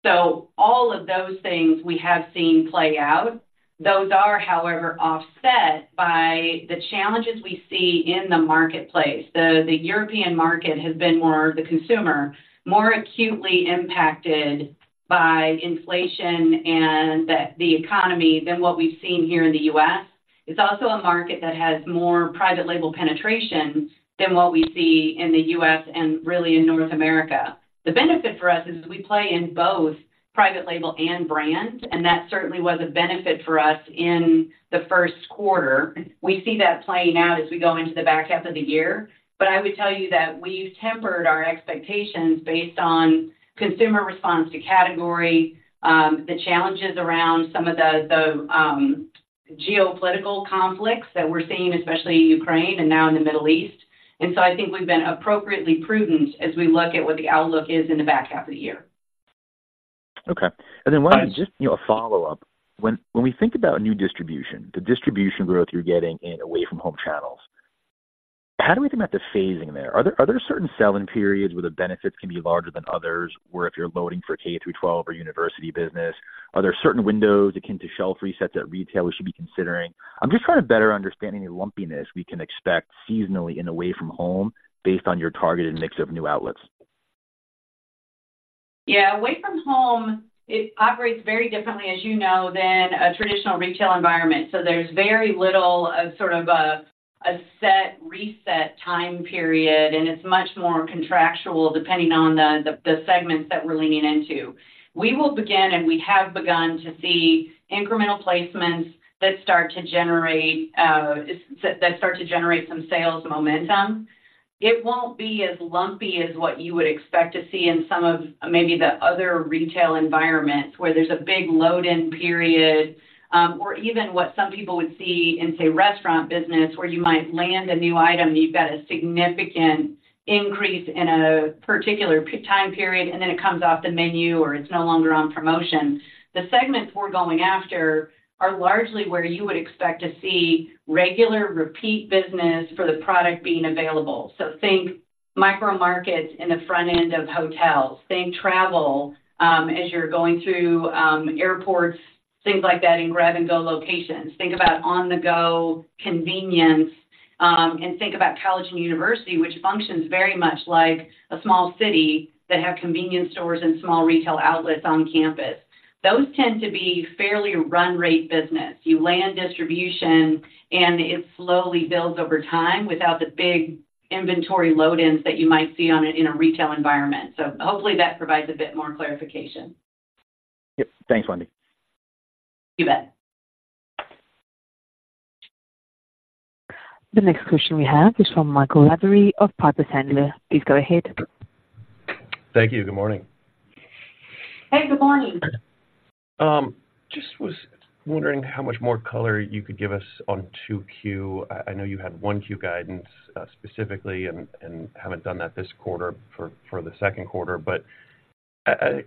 So all of those things we have seen play out. Those are, however, offset by the challenges we see in the marketplace. The European market has been more, the consumer more acutely impacted by inflation and the economy than what we've seen here in the U.S. It's also a market that has more private label penetration than what we see in the U.S. and really in North America. The benefit for us is we play in both private label and brand, and that certainly was a benefit for us in the Q1. We see that playing out as we go into the back half of the year, but I would tell you that we've tempered our expectations based on consumer response to category, the challenges around some of the geopolitical conflicts that we're seeing, especially in Ukraine and now in the Middle East. And so I think we've been appropriately prudent as we look at what the outlook is in the back half of the year. Okay. And then just, you know, a follow-up. When, when we think about new distribution, the distribution growth you're getting in away from home channels, how do we think about the phasing there? Are there, are there certain selling periods where the benefits can be larger than others, where if you're loading for K through twelve or university business, are there certain windows akin to shelf resets at retail we should be considering? I'm just trying to better understanding the lumpiness we can expect seasonally in away from home based on your targeted mix of new outlets. Yeah, away from home, it operates very differently, as you know, than a traditional retail environment. So there's very little of sort of a set reset time period, and it's much more contractual, depending on the segments that we're leaning into. We will begin, and we have begun to see incremental placements that start to generate that start to generate some sales momentum. It won't be as lumpy as what you would expect to see in some of maybe the other retail environments, where there's a big load in period, or even what some people would see in, say, restaurant business, where you might land a new item, and you've got a significant increase in a particular period, and then it comes off the menu or it's no longer on promotion. The segments we're going after are largely where you would expect to see regular repeat business for the product being available. So think micro markets in the front end of hotels. Think travel, as you're going through, airports, things like that, in grab-and-go locations. Think about on-the-go convenience, and think about college and university, which functions very much like a small city that have convenience stores and small retail outlets on campus. Those tend to be fairly run-rate business. You land distribution, and it slowly builds over time without the big inventory load-ins that you might see in a retail environment. So hopefully that provides a bit more clarification. Yep. Thanks, Wendy. You bet. The next question we have is from Michael Lavery of Piper Sandler. Please go ahead. Thank you. Good morning. Hey, good morning. Just was wondering how much more color you could give us on Q2. I know you had Q1 guidance, specifically, and haven't done that this quarter for the Q2 but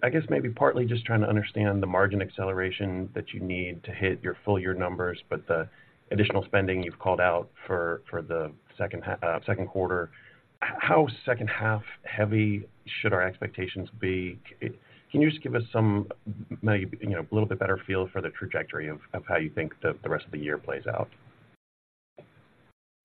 I guess maybe partly just trying to understand the margin acceleration that you need to hit your full year numbers, but the additional spending you've called out for the Q2, how second-half heavy should our expectations be? Can you just give us some, maybe, you know, a little bit better feel for the trajectory of how you think the rest of the year plays out?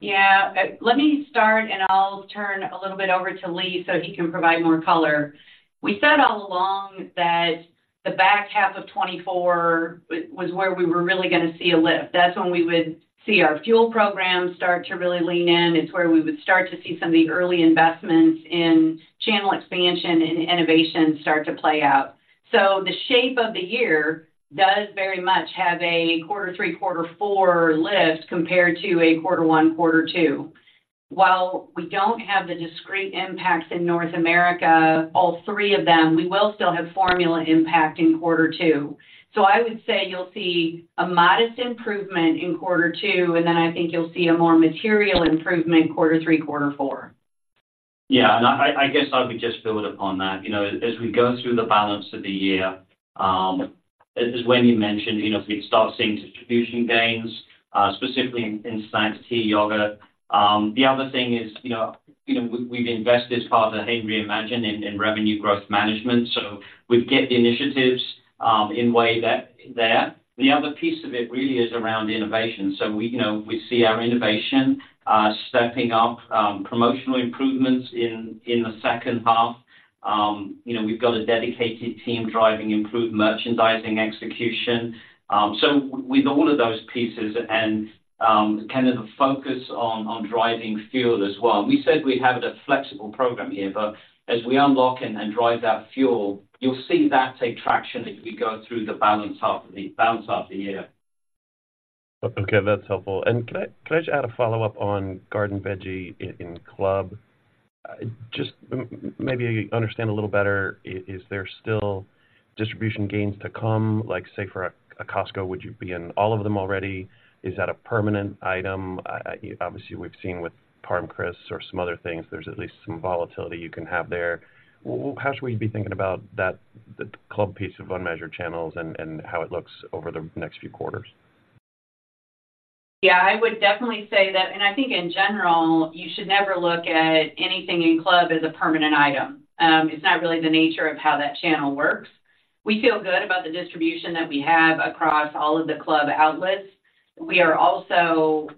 Yeah. Let me start, and I'll turn a little bit over to Lee so he can provide more color. We said all along that the back half of 2024 was where we were really gonna see a lift. That's when we would see our fuel program start to really lean in. It's where we would start to see some of the early investments in channel expansion and innovation start to play out. So the shape of the year does very much have a Q3, Q4 lift compared to a Q1, Q2. While we don't have the discrete impacts in North America, all three of them, we will still have formula impact in Q2. So I would say you'll see a modest improvement in Q2, and then I think you'll see a more material improvement Q3, Q4. Yeah, and I guess I would just build upon that. You know, as we go through the balance of the year, as Wendy mentioned, you know, we start seeing distribution gains, specifically in snacks, tea, yogurt. The other thing is, you know, we've invested as part of the Hain Reimagined in revenue growth management, so we've got the initiatives underway already. The other piece of it really is around innovation. So we, you know, we see our innovation stepping up, promotional improvements in the second half. You know, we've got a dedicated team driving improved merchandising execution. So with all of those pieces and kind of the focus on driving fuel as well, we said we have a flexible program here, but as we unlock and drive that fuel, you'll see that take traction as we go through the back half of the year. Okay, that's helpful. And can I just add a follow-up on Garden Veggie in club? Just maybe understand a little better, is there still distribution gains to come, like, say, for a Costco, would you be in all of them already? Is that a permanent item? Obviously, we've seen with Parm Crisps or some other things, there's at least some volatility you can have there. How should we be thinking about that, the club piece of unmeasured channels and how it looks over the next few quarters? Yeah, I would definitely say that, and I think in general, you should never look at anything in club as a permanent item. It's not really the nature of how that channel works. We feel good about the distribution that we have across all of the club outlets. We are also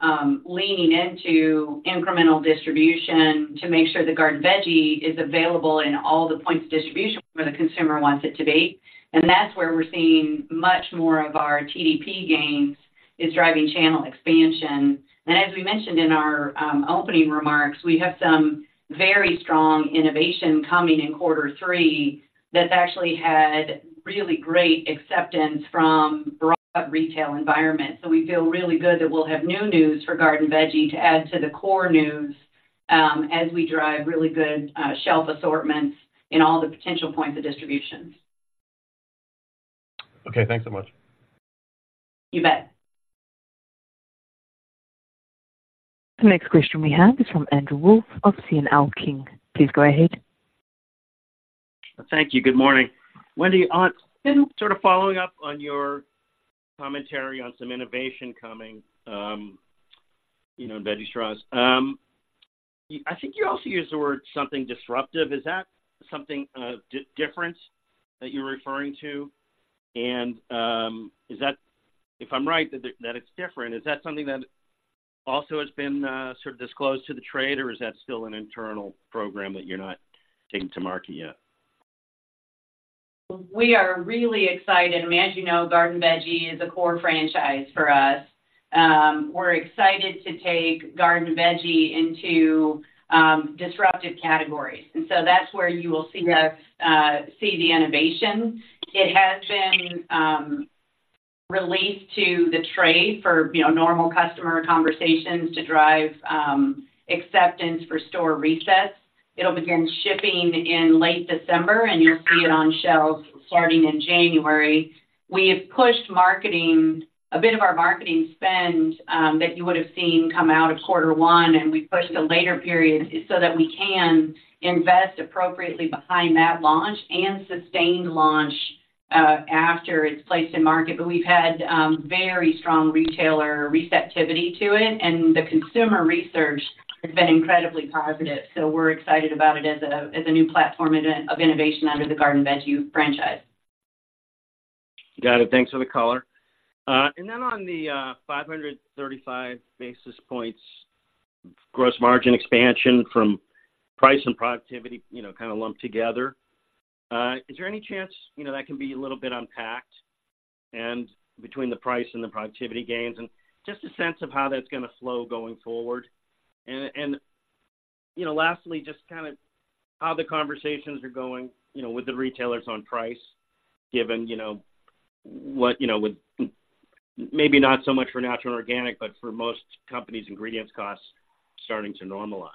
leaning into incremental distribution to make sure the Garden Veggie is available in all the points of distribution where the consumer wants it to be, and that's where we're seeing much more of our TDP gains, is driving channel expansion. And as we mentioned in our opening remarks, we have some very strong innovation coming in Q3 that's actually had really great acceptance from broad retail environment. So we feel really good that we'll have new news for Garden Veggie to add to the core news, as we drive really good shelf assortments in all the potential points of distributions. Okay, thanks so much. You bet. The next question we have is from Andrew Wolf of C.L. King. Please go ahead. Thank you. Good morning. Wendy, sort of following up on your commentary on some innovation coming, you know, in veggie straws. I think you also used the word something disruptive. Is that something different that you're referring to? And, if I'm right that it's different, is that something that also has been sort of disclosed to the trade, or is that still an internal program that you're not taking to market yet? We are really excited. As you know, Garden Veggie is a core franchise for us. We're excited to take Garden Veggie into disruptive categories. That's where you will see the innovation. It has been released to the trade for, you know, normal customer conversations to drive acceptance for store resets. It'll begin shipping in late December, and you'll see it on shelves starting in January. We have pushed marketing, a bit of our marketing spend that you would have seen come out of Q1, and we pushed to later periods so that we can invest appropriately behind that launch and sustain the launch after it's placed in market. But we've had very strong retailer receptivity to it, and the consumer research has been incredibly positive. So we're excited about it as a new platform of innovation under the Garden Veggie franchise. Got it. Thanks for the color. And then on the 535 basis points, gross margin expansion from price and productivity, you know, kind of lumped together. Is there any chance, you know, that can be a little bit unpacked and between the price and the productivity gains, and just a sense of how that's gonna flow going forward? And you know, lastly, just kind of how the conversations are going, you know, with the retailers on price, given, you know, what, you know, with maybe not so much for natural and organic, but for most companies, ingredients costs starting to normalize.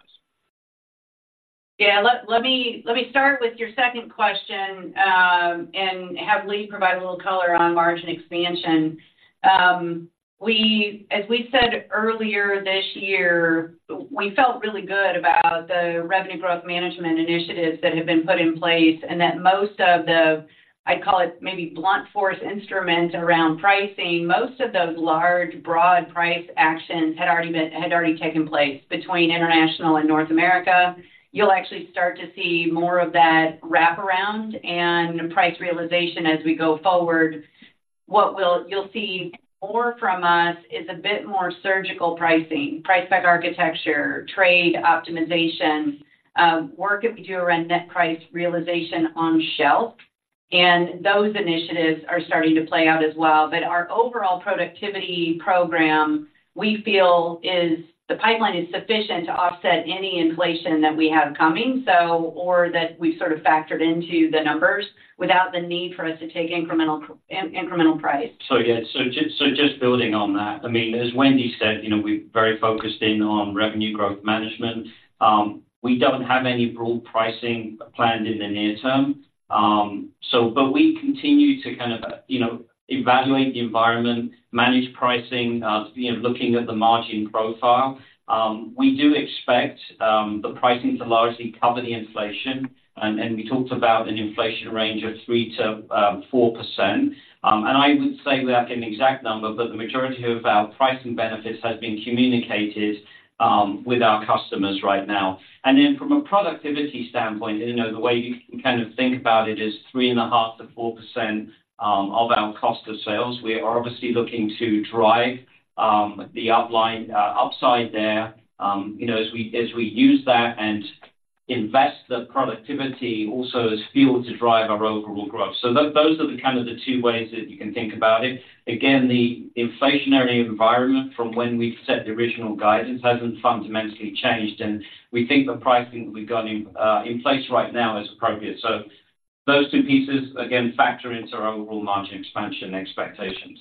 Yeah, let me start with your second question, and have Lee provide a little color on margin expansion. We, as we said earlier this year, felt really good about the revenue growth management initiatives that have been put in place, and that most of the, I'd call it maybe blunt force instrument around pricing, most of those large, broad price actions had already taken place between International and North America. You'll actually start to see more of that wraparound and price realization as we go forward. What you'll see more from us is a bit more surgical pricing, price pack architecture, trade optimization, work that we do around net price realization on shelf, and those initiatives are starting to play out as well. But our overall productivity program, we feel is... The pipeline is sufficient to offset any inflation that we have coming, so, or that we've sort of factored into the numbers without the need for us to take incremental price. So, yeah, building on that, I mean, as Wendy said, you know, we're very focused in on revenue growth management. We don't have any broad pricing planned in the near term. But we continue to kind of, you know, evaluate the environment, manage pricing, you know, looking at the margin profile. We do expect the pricing to largely cover the inflation, and we talked about an inflation range of 3%-4%. And I wouldn't say without getting the exact number, but the majority of our pricing benefits has been communicated with our customers right now. And then from a productivity standpoint, you know, the way you can kind of think about it is 3.5%-4% of our cost of sales. We are obviously looking to drive the outline upside there, you know, as we, as we use that and invest the productivity also as fuel to drive our overall growth. So those are the kind of the two ways that you can think about it. Again, the inflationary environment from when we set the original guidance hasn't fundamentally changed, and we think the pricing that we've got in place right now is appropriate. So those two pieces, again, factor into our overall margin expansion expectations.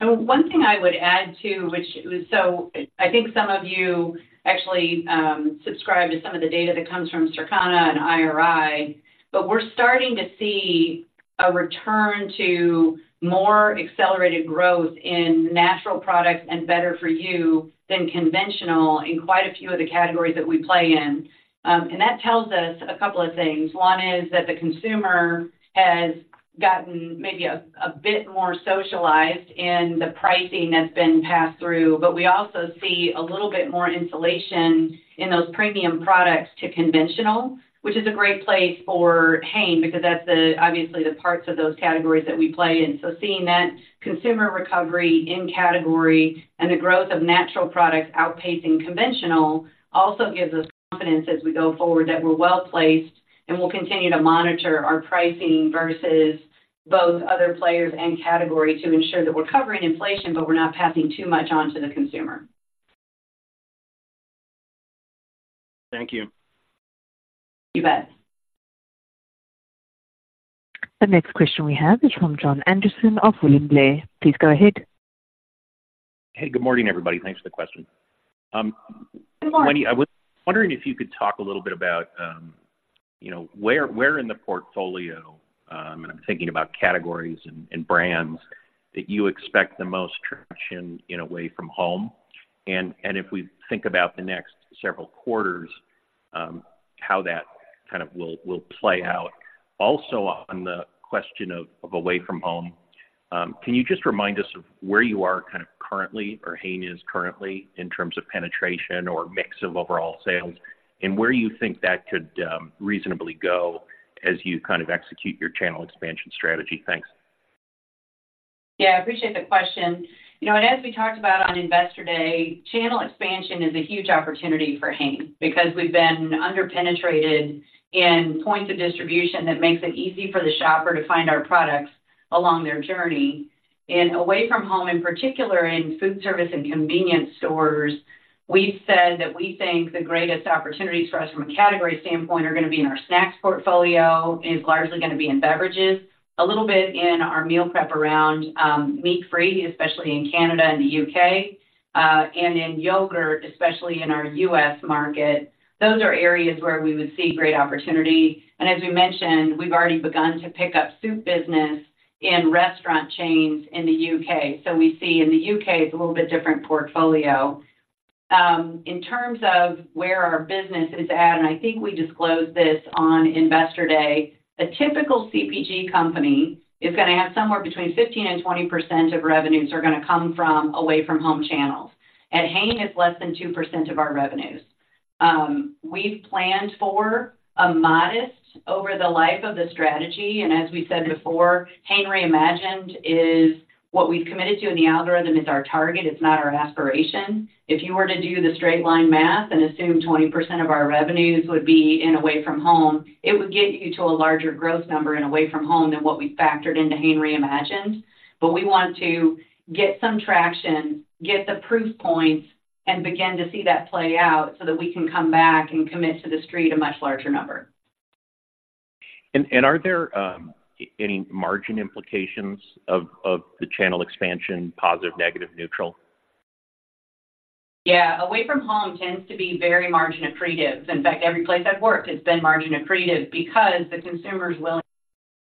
One thing I would add, too, so I think some of you actually subscribe to some of the data that comes from Circana and IRI, but we're starting to see a return to more accelerated growth in natural products and better for you than conventional in quite a few of the categories that we play in. And that tells us a couple of things. One is that the consumer has gotten maybe a bit more socialized in the pricing that's been passed through, but we also see a little bit more insulation in those premium products to conventional, which is a great place for Hain, because that's the, obviously, the parts of those categories that we play in. So seeing that consumer recovery in category and the growth of natural products outpacing conventional also gives us confidence as we go forward that we're well-placed, and we'll continue to monitor our pricing versus both other players and category to ensure that we're covering inflation, but we're not passing too much on to the consumer. Thank you. You bet. The next question we have is from Jon Andersen of William Blair. Please go ahead. Hey, good morning, everybody. Thanks for the question. Good morning. Wendy, I was wondering if you could talk a little bit about, you know, where in the portfolio, and I'm thinking about categories and brands, that you expect the most traction in, away from home. And if we think about the next several quarters, how that kind of will play out. Also, on the question of away from home, can you just remind us of where you are kind of currently, or Hain is currently, in terms of penetration or mix of overall sales, and where you think that could reasonably go as you kind of execute your channel expansion strategy? Thanks. Yeah, I appreciate the question. You know, and as we talked about on Investor Day, channel expansion is a huge opportunity for Hain, because we've been underpenetrated in points of distribution that makes it easy for the shopper to find our products along their journey. And away from home, in particular, in food service and convenience stores, we've said that we think the greatest opportunities for us from a category standpoint are gonna be in our snacks portfolio, is largely gonna be in beverages, a little bit in our meal prep around meat-free, especially in Canada and the U.K., and in yogurt, especially in our U.S. market, those are areas where we would see great opportunity. And as we mentioned, we've already begun to pick up soup business in restaurant chains in the U.K. So we see in the U.K., it's a little bit different portfolio. In terms of where our business is at, and I think we disclosed this on Investor Day, a typical CPG company is gonna have somewhere between 15%-20% of revenues are gonna come from away from home channels. At Hain, it's less than 2% of our revenues. We've planned for a modest over the life of the strategy, and as we said before, Hain Reimagined is what we've committed to in the algorithm. It's our target, it's not our aspiration. If you were to do the straight line math and assume 20% of our revenues would be in away from home, it would get you to a larger growth number and away from home than what we factored into Hain Reimagined. We want to get some traction, get the proof points, and begin to see that play out so that we can come back and commit to the street a much larger number. And are there any margin implications of the channel expansion, positive, negative, neutral? Yeah, away from home tends to be very margin accretive. In fact, every place I've worked, it's been margin accretive because the consumer is willing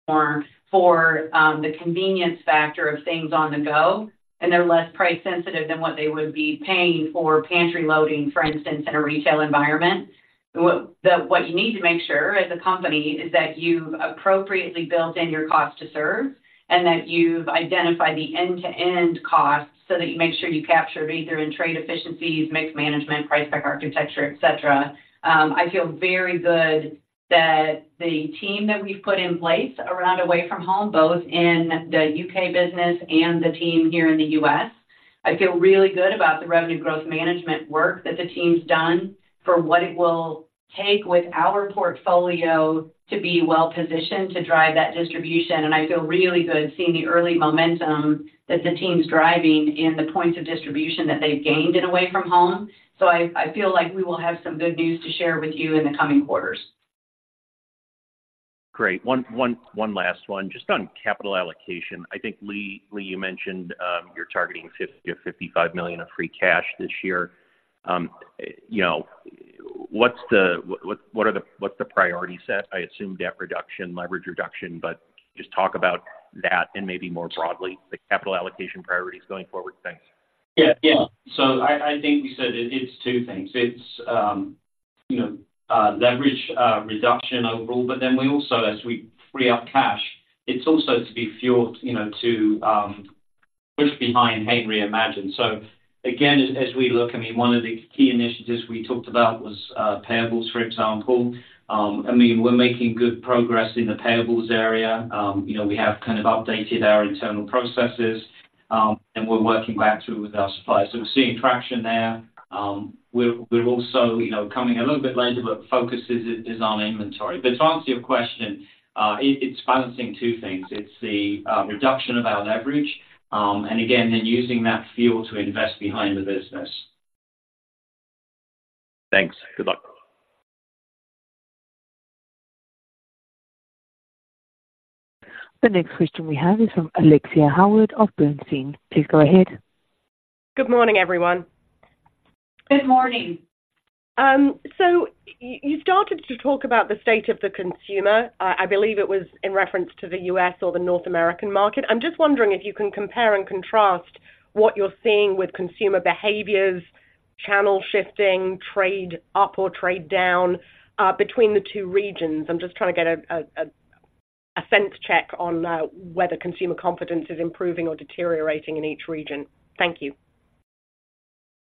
more for the convenience factor of things on the go, and they're less price sensitive than what they would be paying for pantry loading, for instance, in a retail environment. What you need to make sure as a company is that you've appropriately built in your cost to serve and that you've identified the end-to-end costs so that you make sure you capture it either in trade efficiencies, mix management, price pack, architecture, et cetera. I feel very good that the team that we've put in place around away from home, both in the U.K. business and the team here in the U.S. I feel really good about the revenue growth management work that the team's done for what it will take with our portfolio to be well-positioned to drive that distribution. And I feel really good seeing the early momentum that the team's driving in the points of distribution that they've gained and away from home. So I, I feel like we will have some good news to share with you in the coming quarters. Great. One last one. Just on capital allocation. I think, Lee, you mentioned you're targeting $50 million-$55 million of free cash this year. You know, what are the priorities? I assume debt reduction, leverage reduction, but just talk about that and maybe more broadly, the capital allocation priorities going forward. Thanks. Yeah. Yeah. So I, I think you said it, it's two things. It's, you know, leverage reduction overall, but then we also, as we free up cash, it's also to be fueled, you know, to push behind Hain Reimagined. So again, as, as we look, I mean, one of the key initiatives we talked about was, payables, for example. I mean, we're making good progress in the payables area. You know, we have kind of updated our internal processes, and we're working back through with our suppliers. So we're seeing traction there. We're also, you know, coming a little bit later, but focus is on inventory. But to answer your question, it's balancing two things. It's the reduction of our leverage, and again, then using that fuel to invest behind the business. Thanks. Good luck. The next question we have is from Alexia Howard of Bernstein. Please go ahead. Good morning, everyone. Good morning. So you started to talk about the state of the consumer. I believe it was in reference to the U.S. or the North American market. I'm just wondering if you can compare and contrast what you're seeing with consumer behaviors, channel shifting, trade up or trade down, between the two regions. I'm just trying to get a sense check on whether consumer confidence is improving or deteriorating in each region. Thank you.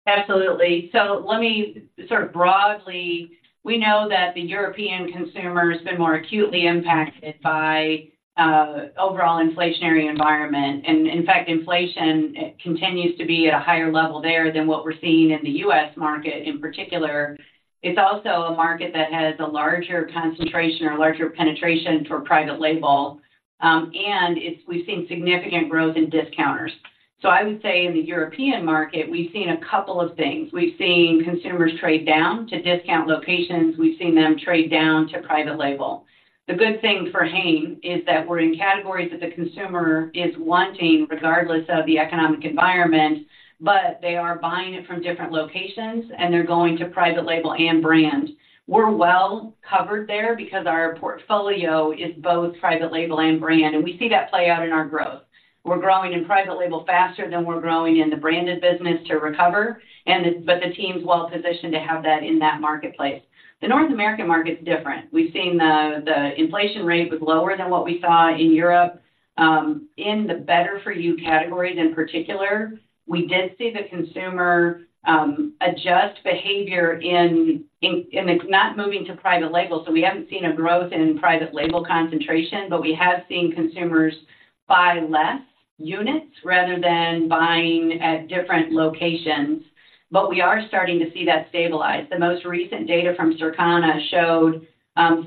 Absolutely. So let me sort of broadly, we know that the European consumer has been more acutely impacted by overall inflationary environment. And in fact, inflation continues to be at a higher level there than what we're seeing in the U.S. market in particular. It's also a market that has a larger concentration or larger penetration for private label, and we've seen significant growth in discounters. So I would say in the European market, we've seen a couple of things. We've seen consumers trade down to discount locations. We've seen them trade down to private label. The good thing for Hain is that we're in categories that the consumer is wanting, regardless of the economic environment, but they are buying it from different locations, and they're going to private label and brand. We're well covered there because our portfolio is both private label and brand, and we see that play out in our growth. We're growing in private label faster than we're growing in the branded business to recover, but the team's well-positioned to have that in that marketplace. The North American market is different. We've seen the inflation rate was lower than what we saw in Europe, in the better for you categories in particular, we did see the consumer adjust behavior in the not moving to private label. So we haven't seen a growth in private label concentration, but we have seen consumers buy less units rather than buying at different locations. But we are starting to see that stabilize. The most recent data from Circana showed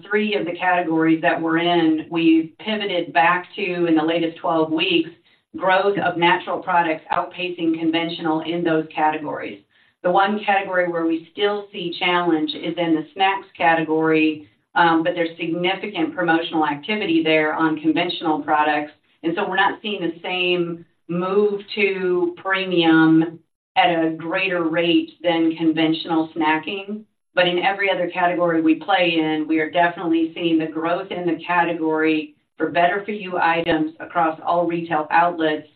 three of the categories that we're in, we've pivoted back to in the latest 12 weeks, growth of natural products outpacing conventional in those categories. The one category where we still see challenge is in the snacks category, but there's significant promotional activity there on conventional products, and so we're not seeing the same move to premium at a greater rate than conventional snacking. But in every other category we play in, we are definitely seeing the growth in the category for better for you items across all retail outlets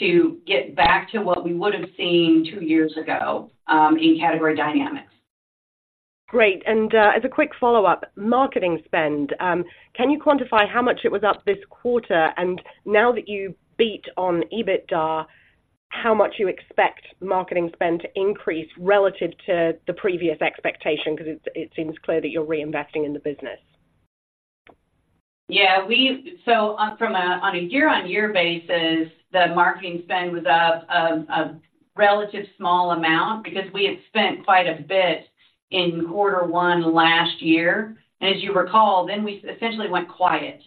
to get back to what we would have seen two years ago in category dynamics. Great. And, as a quick follow-up, marketing spend, can you quantify how much it was up this quarter? And now that you beat on EBITDA, how much you expect marketing spend to increase relative to the previous expectation? Because it, it seems clear that you're reinvesting in the business. Yeah, so on a year-on-year basis, the marketing spend was up a relatively small amount because we had spent quite a bit in Q1 last year. And as you recall, then we essentially went quiet.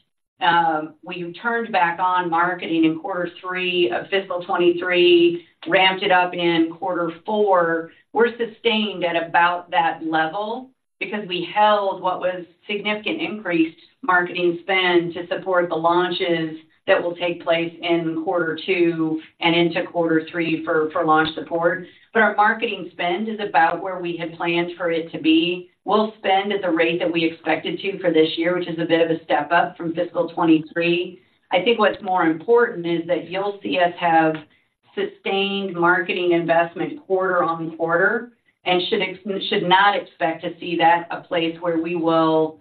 We turned back on marketing in Q3 of fiscal 2023, ramped it up in Q4. We're sustained at about that level because we held what was significant increased marketing spend to support the launches that will take place inQ2 and into Q3 for launch support. But our marketing spend is about where we had planned for it to be. We'll spend at the rate that we expected to for this year, which is a bit of a step up from fiscal 2023. I think what's more important is that you'll see us have sustained marketing investment quarter on quarter and should not expect to see that a place where we will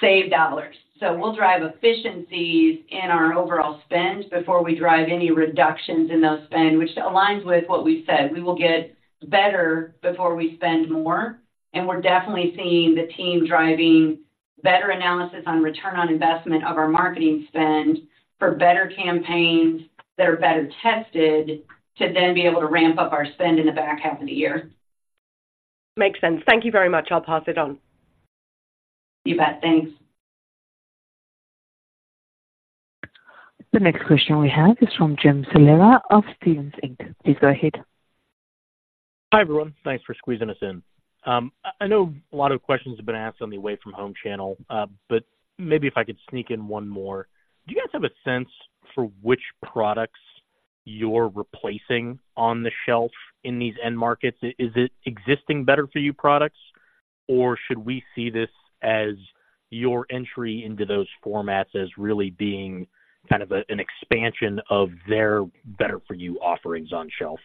save dollars. So we'll drive efficiencies in our overall spend before we drive any reductions in those spend, which aligns with what we said. We will get better before we spend more, and we're definitely seeing the team driving better analysis on return on investment of our marketing spend for better campaigns that are better tested, to then be able to ramp up our spend in the back half of the year. Makes sense. Thank you very much. I'll pass it on. You bet. Thanks. The next question we have is from Jim Salera of Stephens Inc. Please go ahead. Hi, everyone. Thanks for squeezing us in. I know a lot of questions have been asked on the Away from Home channel, but maybe if I could sneak in one more. Do you guys have a sense for which products you're replacing on the shelf in these end markets? Is it existing better for you products, or should we see this as your entry into those formats as really being kind of a, an expansion of their better for you offerings on shelf?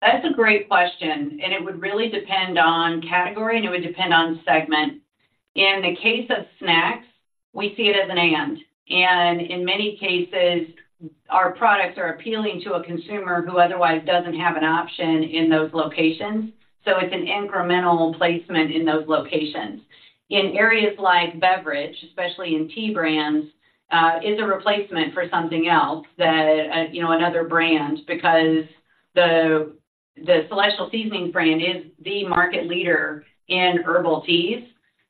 That's a great question, and it would really depend on category, and it would depend on segment. In the case of snacks, we see it as an and. And in many cases, our products are appealing to a consumer who otherwise doesn't have an option in those locations. So it's an incremental placement in those locations. In areas like beverage, especially in tea brands, is a replacement for something else that, you know, another brand, because the, the Celestial Seasonings brand is the market leader in herbal teas,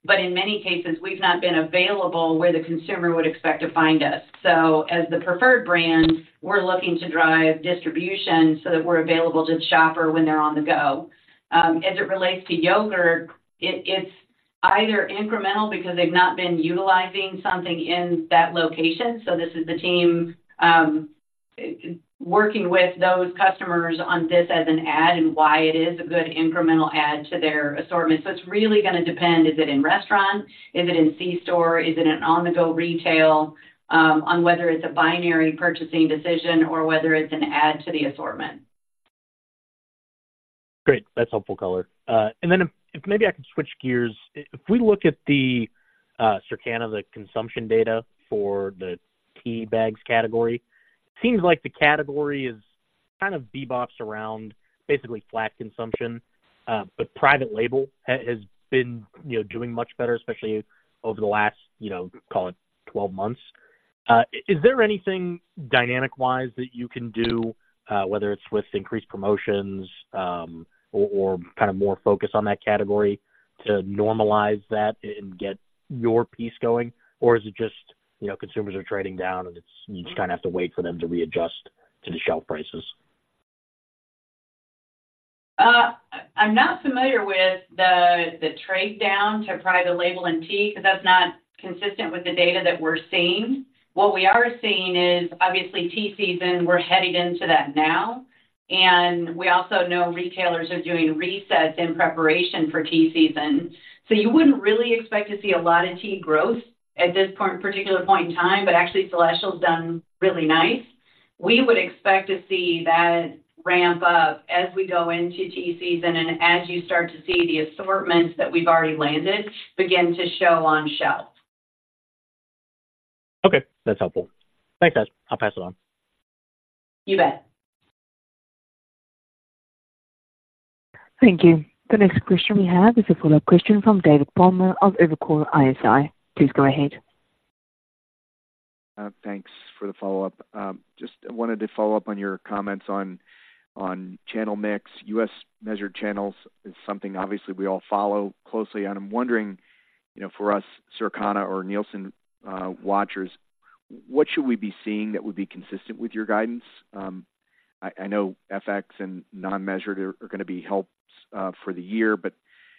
but in many cases, we've not been available where the consumer would expect to find us. So as the preferred brand, we're looking to drive distribution so that we're available to the shopper when they're on the go. As it relates to yogurt, it, it's either incremental because they've not been utilizing something in that location. So this is the team working with those customers on this as an add and why it is a good incremental add to their assortment. So it's really gonna depend. Is it in restaurant? Is it in C-store? Is it an on-the-go retail, on whether it's a binary purchasing decision or whether it's an add to the assortment. Great, that's helpful color. And then if maybe I could switch gears. If we look at the Circana, the consumption data for the tea bags category, seems like the category is kind of bebopped around, basically flat consumption, but private label has been, you know, doing much better, especially over the last, you know, call it 12 months. Is there anything dynamic wise that you can do, whether it's with increased promotions, or kind of more focus on that category to normalize that and get your piece going? Or is it just, you know, consumers are trading down and it's, you just kinda have to wait for them to readjust to the shelf prices? I'm not familiar with the trade down to private label and tea, because that's not consistent with the data that we're seeing. What we are seeing is obviously tea season. We're headed into that now, and we also know retailers are doing resets in preparation for tea season. So you wouldn't really expect to see a lot of tea growth at this point, particular point in time, but actually, Celestial's done really nice. We would expect to see that ramp up as we go into tea season and as you start to see the assortments that we've already landed begin to show on shelf. Okay, that's helpful. Thanks, guys. I'll pass it on. You bet. Thank you. The next question we have is a follow-up question from David Palmer of Evercore ISI. Please go ahead. Thanks for the follow-up. Just wanted to follow up on your comments on channel mix. U.S. measured channels is something obviously we all follow closely, and I'm wondering, you know, for us, Circana or Nielsen watchers, what should we be seeing that would be consistent with your guidance? I know FX and non-measured are gonna be helping for the year, but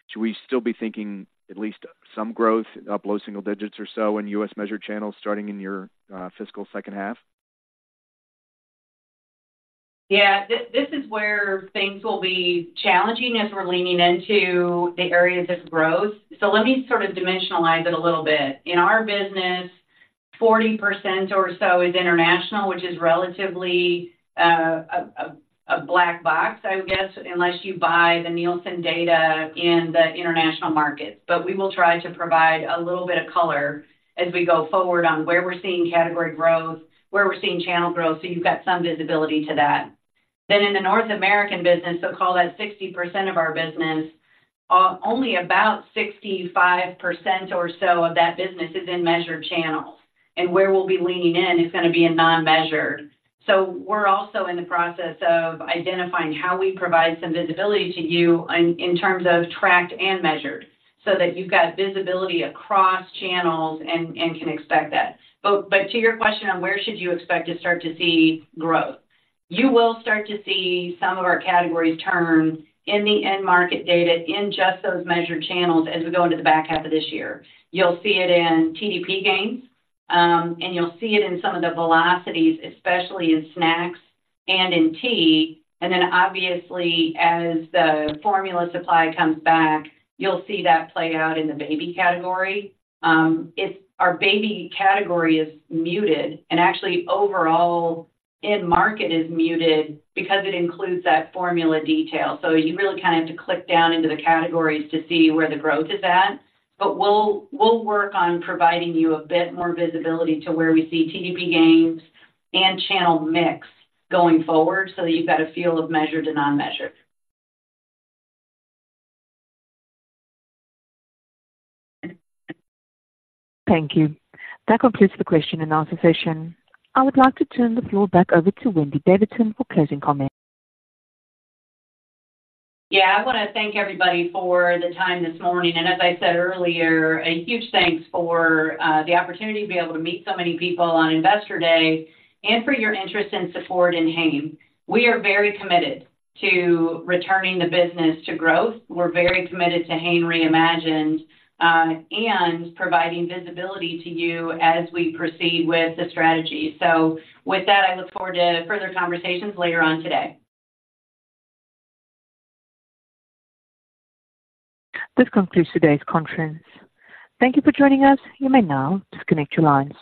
should we still be thinking at least some growth, up low single digits or so in U.S. measured channels, starting in your fiscal second half? Yeah, this is where things will be challenging as we're leaning into the areas of growth. So let me sort of dimensionalize it a little bit. In our business, 40% or so is international, which is relatively a black box, I would guess, unless you buy the Nielsen data in the international markets. But we will try to provide a little bit of color as we go forward on where we're seeing category growth, where we're seeing channel growth, so you've got some visibility to that. Then in the North American business, so call that 60% of our business, only about 65% or so of that business is in measured channels, and where we'll be leaning in is gonna be in non-measured. So we're also in the process of identifying how we provide some visibility to you in terms of tracked and measured, so that you've got visibility across channels and can expect that. But to your question on where should you expect to start to see growth, you will start to see some of our categories turn in the end-market data in just those measured channels as we go into the back half of this year. You'll see it in TDP gains, and you'll see it in some of the velocities, especially in snacks and in tea, and then obviously, as the formula supply comes back, you'll see that play out in the baby category. Our baby category is muted and actually overall end market is muted because it includes that formula detail. So you really kind of have to click down into the categories to see where the growth is at. But we'll work on providing you a bit more visibility to where we see TDP gains and channel mix going forward, so that you've got a feel of measured and non-measured. Thank you. That concludes the question and answer session. I would like to turn the floor back over to Wendy Davidson for closing comments. Yeah, I wanna thank everybody for the time this morning, and as I said earlier, a huge thanks for the opportunity to be able to meet so many people on Investor Day and for your interest and support in Hain. We are very committed to returning the business to growth. We're very committed to Hain Reimagined and providing visibility to you as we proceed with the strategy. So with that, I look forward to further conversations later on today. This concludes today's conference. Thank you for joining us. You may now disconnect your lines.